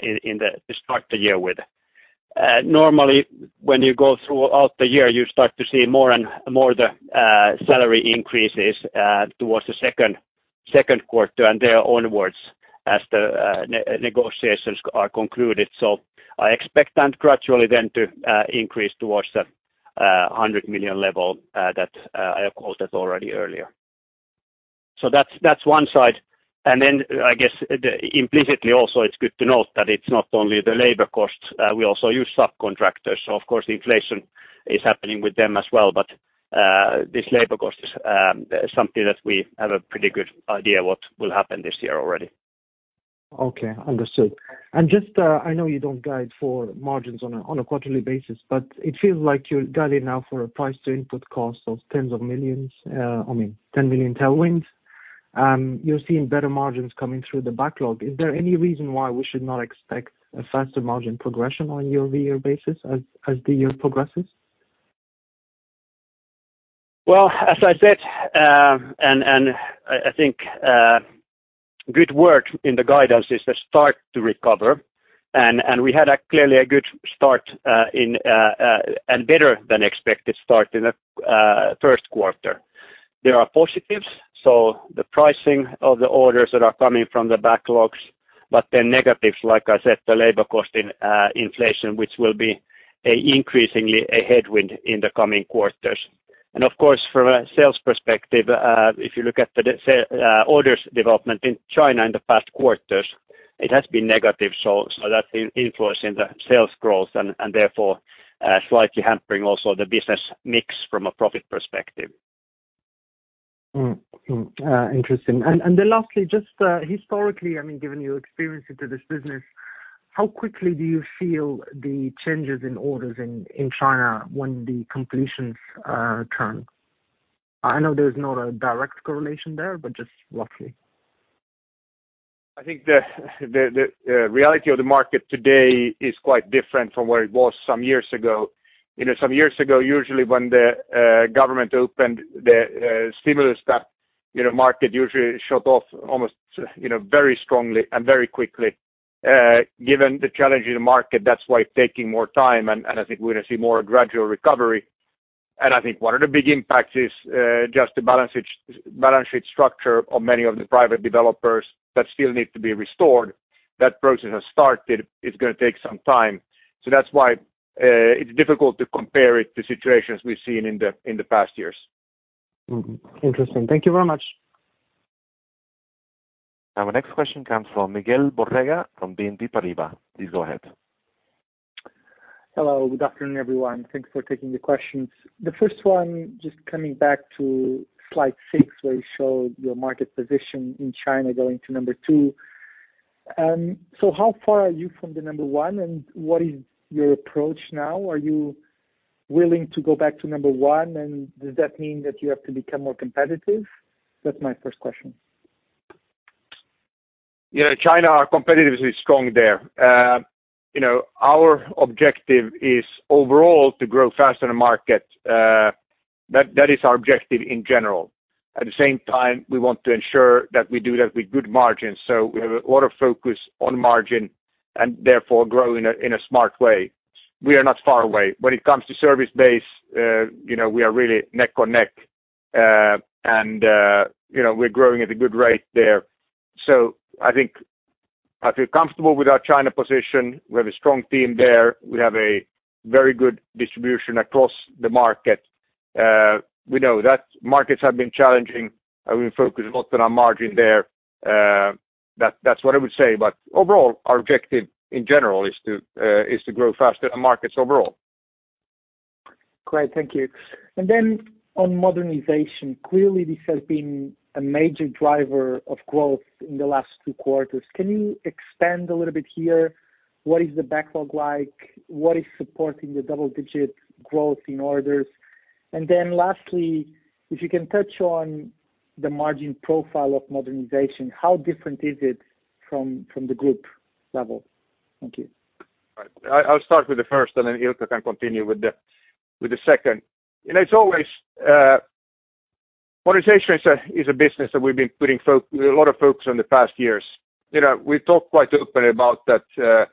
S3: in the to start the year with. Normally when you go throughout the year, you start to see more and more the salary increases towards the second quarter and there onwards as the negotiations are concluded. I expect that gradually then to increase towards the 100 million level that I have quoted already earlier. That's one side. Then I guess implicitly also, it's good to note that it's not only the labor costs. We also use subcontractors. Of course the inflation is happening with them as well, but, this labor cost is, something that we have a pretty good idea what will happen this year already.
S11: Okay. Understood. Just, I know you don't guide for margins on a quarterly basis, but it feels like you're guiding now for a price to input cost of tens of millions, I mean, 10 million tailwinds. You're seeing better margins coming through the backlog. Is there any reason why we should not expect a faster margin progression on year-over-year basis as the year progresses?
S3: Well, as I said, I think good word in the guidance is to start to recover. We had a clearly a good start and better than expected start in the first quarter. There are positives, so the pricing of the orders that are coming from the backlogs, but they're negatives like I said, the labor cost in inflation, which will be a increasingly a headwind in the coming quarters. Of course from a sales perspective, if you look at the orders development in China in the past quarters, it has been negative, that's influencing the sales growth and therefore, slightly hampering also the business mix from a profit perspective.
S11: Interesting. Then lastly, just historically, I mean, given your experience into this business, how quickly do you feel the changes in orders in China when the completions turn? I know there's not a direct correlation there, but just roughly.
S3: I think the reality of the market today is quite different from where it was some years ago. You know, some years ago, usually when the government opened the stimulus tap, you know, market usually shot off almost, you know, very strongly and very quickly. Given the challenge in the market, that's why it's taking more time, and I think we're gonna see more gradual recovery. And I think one of the big impacts is just the balance sheet structure of many of the private developers that still need to be restored. That process has started. It's gonna take some time. That's why it's difficult to compare it to situations we've seen in the past years.
S11: Mm-hmm. Interesting. Thank you very much.
S4: Our next question comes from Miguel Borrega from BNP Paribas. Please go ahead.
S12: Hello, good afternoon, everyone. Thanks for taking the questions. The first one, just coming back to slide six, where you showed your market position in China going to number two. How far are you from the number one, and what is your approach now? Are you willing to go back to number one? Does that mean that you have to become more competitive? That's my first question.
S2: Yeah, China, our competitiveness is strong there. you know, our objective is overall to grow faster in the market. that is our objective in general. At the same time, we want to ensure that we do that with good margins. So we have a lot of focus on margin and therefore grow in a smart way. We are not far away. When it comes to service base, you know, we are really neck or neck. and, you know, we're growing at a good rate there. So I think I feel comfortable with our China position. We have a strong team there. We have a very good distribution across the market. we know that markets have been challenging, and we focus a lot on our margin there. that's what I would say. Overall, our objective in general is to, is to grow faster than markets overall.
S12: Great. Thank you. On modernization, clearly this has been a major driver of growth in the last two quarters. Can you expand a little bit here? What is the backlog like? What is supporting the double-digit growth in orders? Lastly, if you can touch on the margin profile of modernization, how different is it from the group level? Thank you.
S2: All right. I'll start with the first, and then Ilkka can continue with the second. You know, it's always modernization is a business that we've been putting a lot of focus on the past years. You know, we've talked quite openly about that,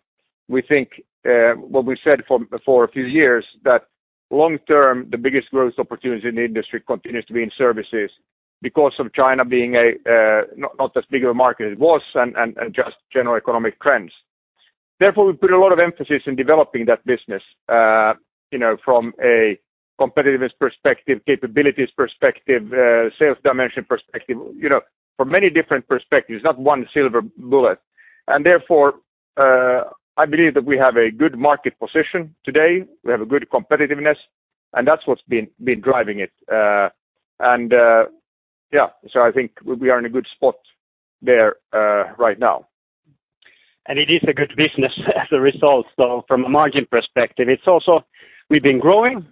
S2: we think what we said for a few years, that long term, the biggest growth opportunity in the industry continues to be in services because of China being a not as big of a market as it was and just general economic trends. Therefore, we put a lot of emphasis in developing that business, you know, from a competitiveness perspective, capabilities perspective, sales dimension perspective, you know, from many different perspectives, not one silver bullet. Therefore, I believe that we have a good market position today. We have a good competitiveness, and that's what's been driving it. Yeah. I think we are in a good spot there, right now.
S3: It is a good business as a result. From a margin perspective, it's also we've been growing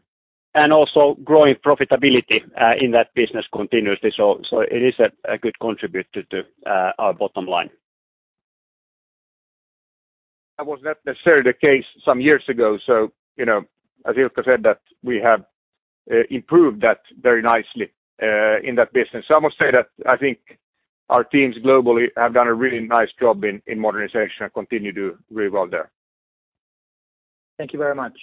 S3: and also growing profitability in that business continuously. It is a good contributor to our bottom line.
S2: That was not necessarily the case some years ago. You know, as Ilkka said that we have improved that very nicely in that business. I must say that I think our teams globally have done a really nice job in modernization and continue to do really well there.
S12: Thank you very much.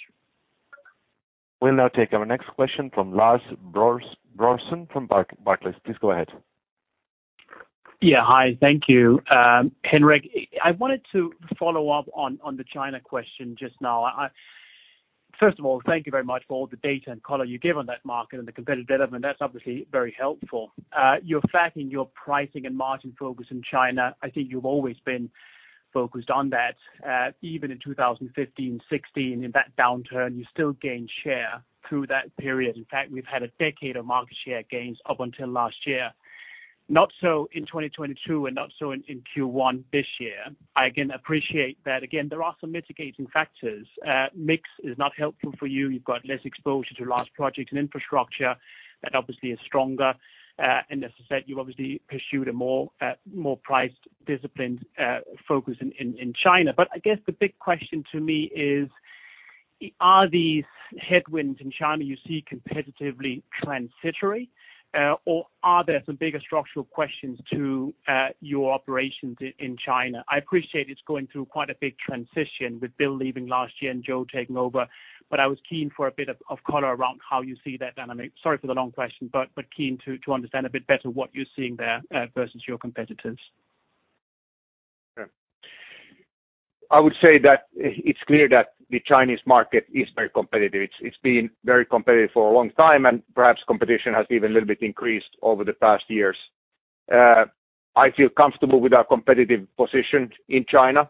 S4: We'll now take our next question from Lars Brorson from Barclays. Please go ahead.
S13: Hi. Thank you. Henrik, I wanted to follow up on the China question just now. I, first of all, thank you very much for all the data and color you gave on that market and the competitive element. That's obviously very helpful. You're flagging your pricing and margin focus in China. I think you've always been focused on that. Even in 2015, 2016, in that downturn, you still gained share through that period. In fact, we've had a decade of market share gains up until last year. Not so in 2022 and not so in Q1 this year. I again appreciate that. Again, there are some mitigating factors. Mix is not helpful for you. You've got less exposure to large projects and infrastructure that obviously is stronger. As I said, you've obviously pursued a more price disciplined focus in China. I guess the big question to me is, are these headwinds in China you see competitively transitory, or are there some bigger structural questions to your operations in China? I appreciate it's going through quite a big transition with Bill leaving last year and Joe taking over. I was keen for a bit of color around how you see that dynamic. Sorry for the long question, but keen to understand a bit better what you're seeing there, versus your competitors.
S2: Sure. I would say that it's clear that the Chinese market is very competitive. It's been very competitive for a long time, and perhaps competition has even a little bit increased over the past years. I feel comfortable with our competitive position in China.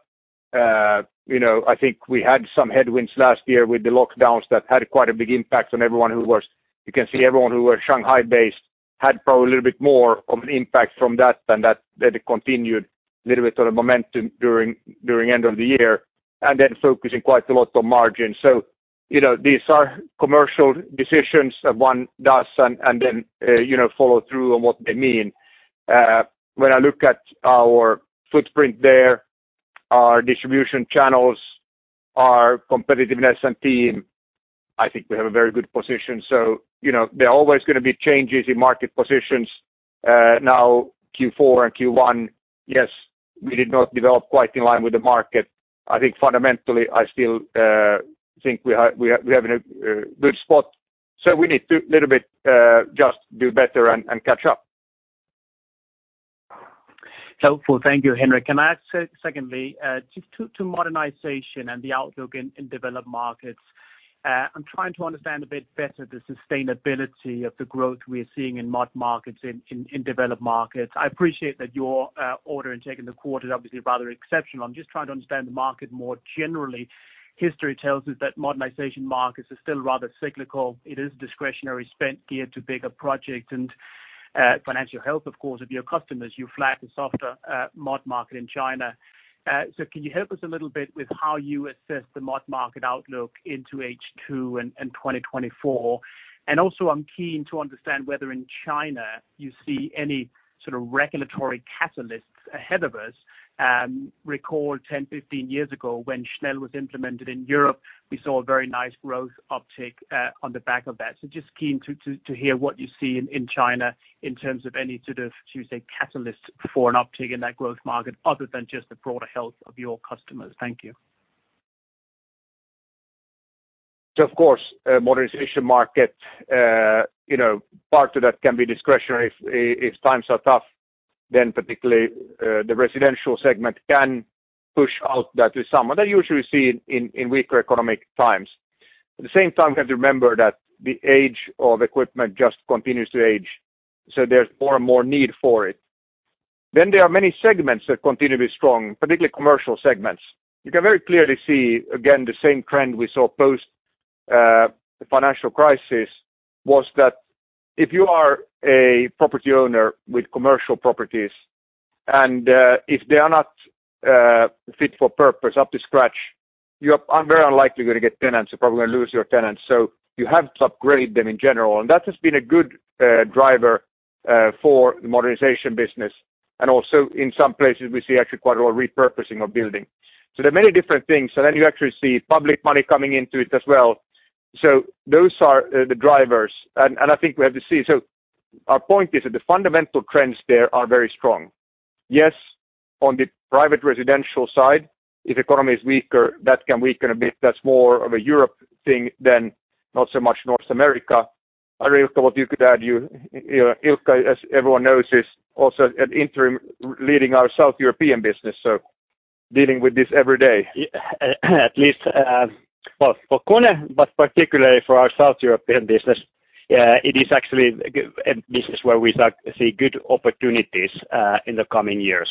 S2: You know, I think we had some headwinds last year with the lockdowns that had quite a big impact on everyone. You can see everyone who was Shanghai-based had probably a little bit more of an impact from that than that it continued a little bit of momentum during end of the year, and then focusing quite a lot on margin. You know, these are commercial decisions that one does and then, you know, follow through on what they mean. When I look at our footprint there, our distribution channels, our competitiveness and team, I think we have a very good position. You know, there are always gonna be changes in market positions. Now Q4 and Q1, yes, we did not develop quite in line with the market. I think fundamentally, I still think we have a good spot. We need to little bit just do better and catch up.
S13: Helpful. Thank you, Henrik. Can I ask secondly, just to modernization and the outlook in developed markets. I'm trying to understand a bit better the sustainability of the growth we're seeing in mod markets in developed markets. I appreciate that your order in taking the quarter is obviously rather exceptional. I'm just trying to understand the market more generally. History tells us that modernization markets are still rather cyclical. It is discretionary spent geared to bigger projects and, of course, financial health of your customers. You flagged the softer mod market in China. Can you help us a little bit with how you assess the mod market outlook into H2 and 2024? Also, I'm keen to understand whether in China you see any sort of regulatory catalysts ahead of us. Recall 10, 15 years ago, when SNEL was implemented in Europe, we saw a very nice growth uptick on the back of that. Just keen to hear what you see in China in terms of any sort of, to say, catalyst for an uptick in that growth market other than just the broader health of your customers. Thank you.
S2: Of course, modernization market, you know, part of that can be discretionary. If times are tough, particularly, the residential segment can push out that to some. That you usually see in weaker economic times. At the same time, you have to remember that the age of equipment just continues to age, so there's more and more need for it. There are many segments that continue to be strong, particularly commercial segments. You can very clearly see, again, the same trend we saw post the financial crisis was that if you are a property owner with commercial properties and, if they are not, fit for purpose up to scratch, you are very unlikely gonna get tenants, you're probably gonna lose your tenants. You have to upgrade them in general. That has been a good driver for the modernization business. Also in some places we see actually quite a lot of repurposing of building. There are many different things. Then you actually see public money coming into it as well. Those are the drivers. I think we have to see. Our point is that the fundamental trends there are very strong. Yes, on the private residential side, if economy is weaker, that can weaken a bit. That's more of a Europe thing than not so much North America. Ari, Ilkka, what you could add, Ilkka, as everyone knows, is also an interim leading our South European business, so dealing with this every day. Yeah. At least, well, for KONE, but particularly for our South European business, it is actually a business where we start to see good opportunities in the coming years.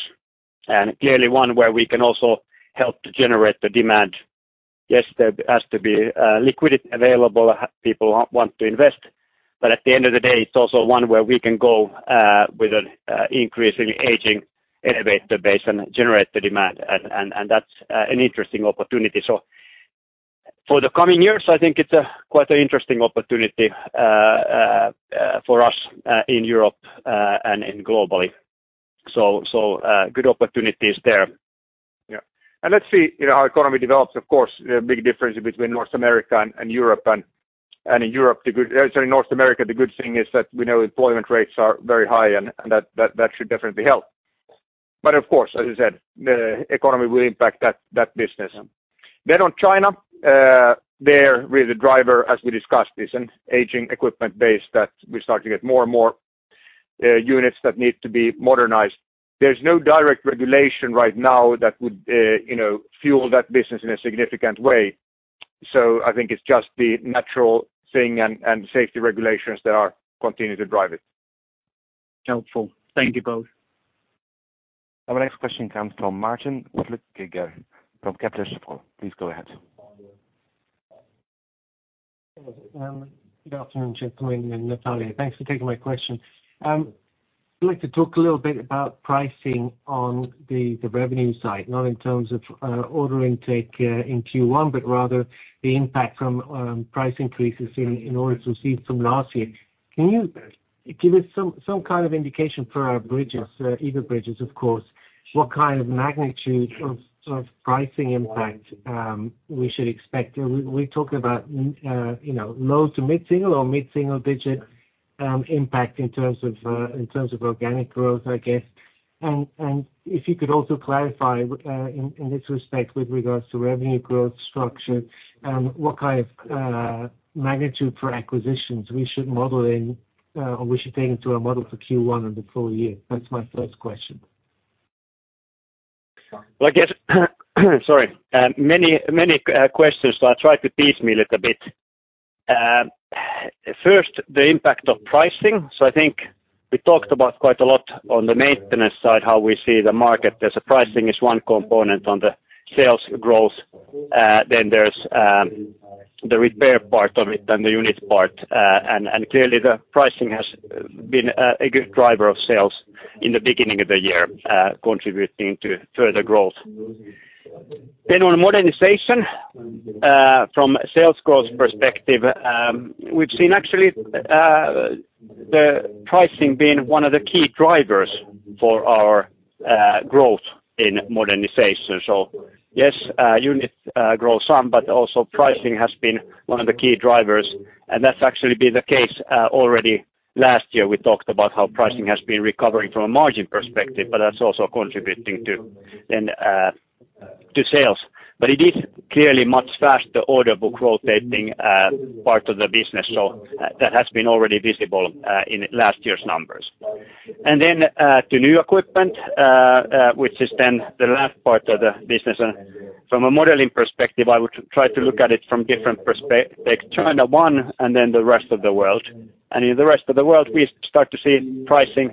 S2: Clearly one where we can also help to generate the demand. Yes, there has to be liquidity available, people want to invest. At the end of the day, it's also one where we can go with an increasing aging elevator base and generate the demand. That's an interesting opportunity. For the coming years, I think it's a quite an interesting opportunity for us in Europe and globally. Good opportunities there. Yeah. Let's see, you know, how economy develops. Of course, there are big differences between North America and Europe. In North America, the good thing is that we know employment rates are very high and that should definitely help. Of course, as you said, the economy will impact that business. On China, there really the driver, as we discussed, is an aging equipment base that we start to get more and more units that need to be modernized. There's no direct regulation right now that would, you know, fuel that business in a significant way. I think it's just the natural thing and safety regulations that are continuing to drive it.
S13: Helpful. Thank you both.
S4: Our next question comes from Martin Flueckiger from Kepler Cheuvreux. Please go ahead.
S14: Good afternoon, Joaquin and Natalia. Thanks for taking my question. I'd like to talk a little bit about pricing on the revenue side, not in terms of order intake in Q1, but rather the impact from price increases in order to see some last year. Can you give us some kind of indication for our bridges, EBIT bridges, of course, what kind of magnitude of pricing impact we should expect? We talked about, you know, low to mid-single or mid-single digit impact in terms of organic growth, I guess. If you could also clarify in this respect with regards to revenue growth structure, what kind of magnitude for acquisitions we should model in or we should take into our model for Q1 and the full year? That's my first question.
S3: Well, I guess, sorry. Many questions, so I'll try to piecemeal it a bit. First, the impact of pricing. I think we talked about quite a lot on the maintenance side, how we see the market. There's a pricing is one component on the sales growth, then there's the repair part of it, then the unit part. And clearly the pricing has been a good driver of sales in the beginning of the year, contributing to further growth. On modernization, from sales growth perspective, we've seen actually the pricing being one of the key drivers for our growth in modernization. Yes, units grow some, but also pricing has been one of the key drivers. That's actually been the case already last year. We talked about how pricing has been recovering from a margin perspective, but that's also contributing to then to sales. It is clearly much faster order book rotating part of the business. That has been already visible in last year's numbers. Then to new equipment, which is then the last part of the business. From a modeling perspective, I would try to look at it from different take China one and then the rest of the world. In the rest of the world, we start to see pricing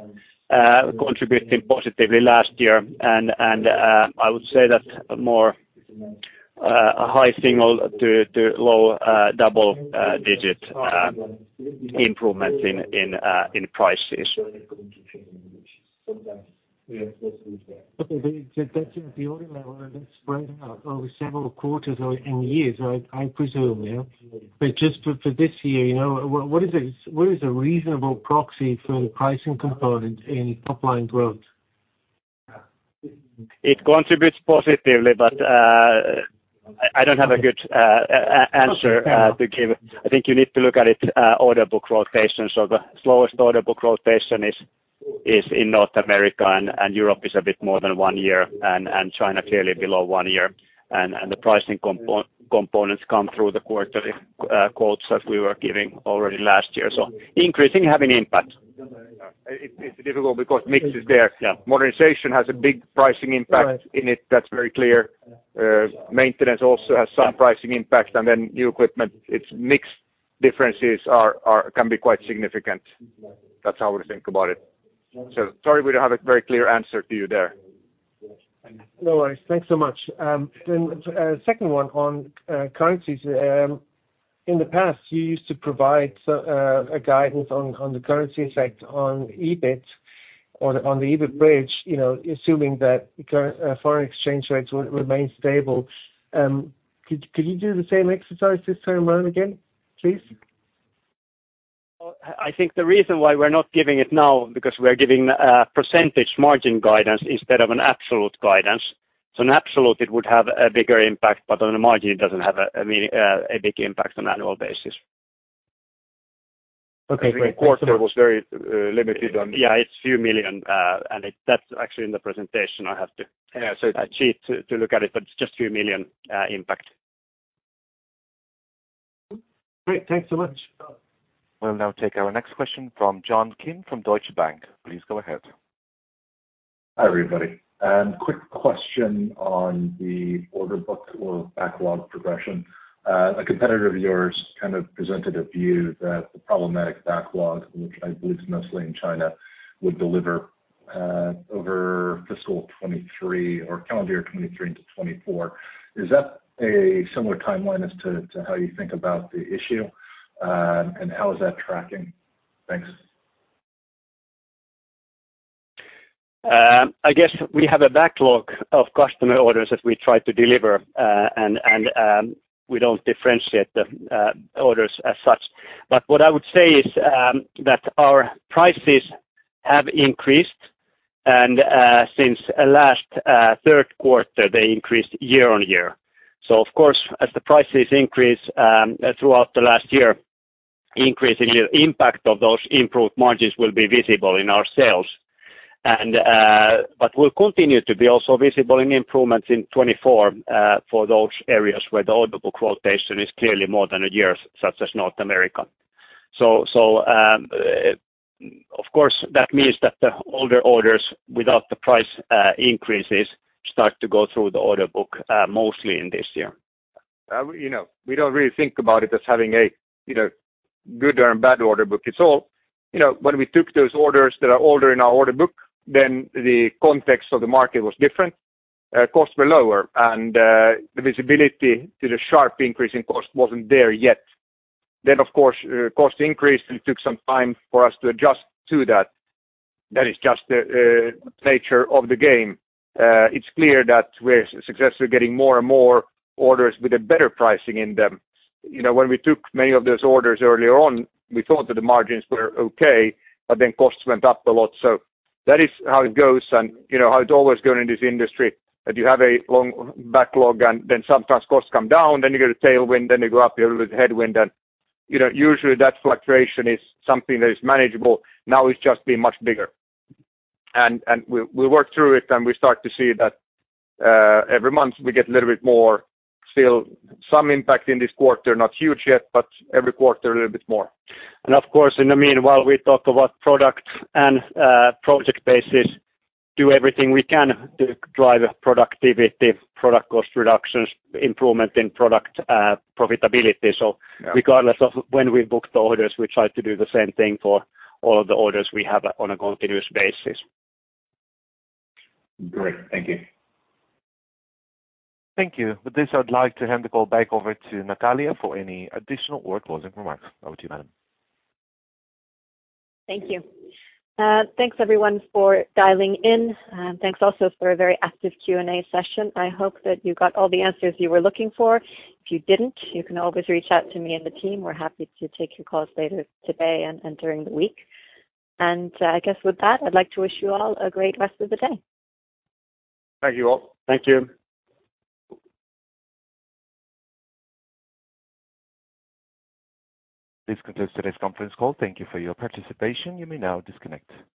S3: contributing positively last year. I would say that more a high single to low double digit improvements in prices.
S14: Okay. That's the order level that's spread out over several quarters or in years, I presume, yeah. Just for this year, you know, what is a reasonable proxy for the pricing component in top line growth?
S3: It contributes positively, but, I don't have a good answer to give. I think you need to look at it, order book rotation. The slowest order book rotation is in North America and Europe is a bit more than one year and China clearly below one year. The pricing components come through the quarterly quotes that we were giving already last year. Increasing having impact.
S2: It's difficult because mix is there.
S3: Yeah.
S2: Modernization has a big pricing impact.
S14: Right.
S2: -in it. That's very clear. Maintenance also has some pricing impact. New equipment, it's mix differences are can be quite significant. That's how we think about it. Sorry, we don't have a very clear answer to you there.
S14: No worries. Thanks so much. A second one on currencies. In the past, you used to provide a guidance on the currency effect on EBIT or on the EBIT bridge, you know, assuming that foreign exchange rates remain stable. Could you do the same exercise this time around again, please?
S3: I think the reason why we're not giving it now because we're giving a percentage margin guidance instead of an absolute guidance. In absolute it would have a bigger impact, but on a margin it doesn't have, I mean, a big impact on annual basis.
S14: Okay, great.
S2: Quarter was very limited.
S3: It's EUR few million, that's actually in the presentation I have to cheat to look at it, but it's just EUR few million impact.
S14: Great. Thanks so much.
S4: We'll now take our next question from John Kim from Deutsche Bank. Please go ahead.
S15: Hi, everybody. quick question on the order book or backlog progression. A competitor of yours kind of presented a view that the problematic backlog, which I believe is mostly in China, would deliver over fiscal 23 or calendar year 23 into 24. Is that a similar timeline as to how you think about the issue? how is that tracking? Thanks.
S3: I guess we have a backlog of customer orders that we try to deliver, we don't differentiate the orders as such. What I would say is that our prices have increased. Since last third quarter, they increased year-on-year. Of course, as the prices increase throughout the last year, increase in the impact of those improved margins will be visible in our sales. Will continue to be also visible in improvements in 2024 for those areas where the order book quotation is clearly more than a year, such as North America. Of course, that means that the older orders without the price increases start to go through the order book mostly in this year.
S2: You know, we don't really think about it as having a, you know, good or bad order book. You know, when we took those orders that are older in our order book, the context of the market was different. Costs were lower and the visibility to the sharp increase in cost wasn't there yet. Of course, cost increased and took some time for us to adjust to that. That is just the nature of the game. It's clear that we're successfully getting more and more orders with a better pricing in them. You know, when we took many of those orders earlier on, we thought that the margins were okay, but then costs went up a lot. That is how it goes and, you know, how it's always going in this industry, that you have a long backlog and then sometimes costs come down, then you get a tailwind, then you go up, you have a little headwind. You know, usually that fluctuation is something that is manageable. Now it's just been much bigger. We work through it and we start to see that, every month we get a little bit more still some impact in this quarter, not huge yet, but every quarter a little bit more.
S3: Of course, in the meanwhile we talk about product and project basis, do everything we can to drive productivity, product cost reductions, improvement in product profitability.
S2: Yeah.
S3: Regardless of when we book the orders, we try to do the same thing for all of the orders we have on a continuous basis.
S15: Great. Thank you.
S4: Thank you. With this, I would like to hand the call back over to Natalia for any additional or closing remarks. Over to you, madam.
S14: Thank you. Thanks everyone for dialing in. Thanks also for a very active Q&A session. I hope that you got all the answers you were looking for. If you didn't, you can always reach out to me and the team. We're happy to take your calls later today and during the week. I guess with that, I'd like to wish you all a great rest of the day.
S2: Thank you all.
S3: Thank you.
S4: This concludes today's conference call. Thank you for your participation. You may now disconnect.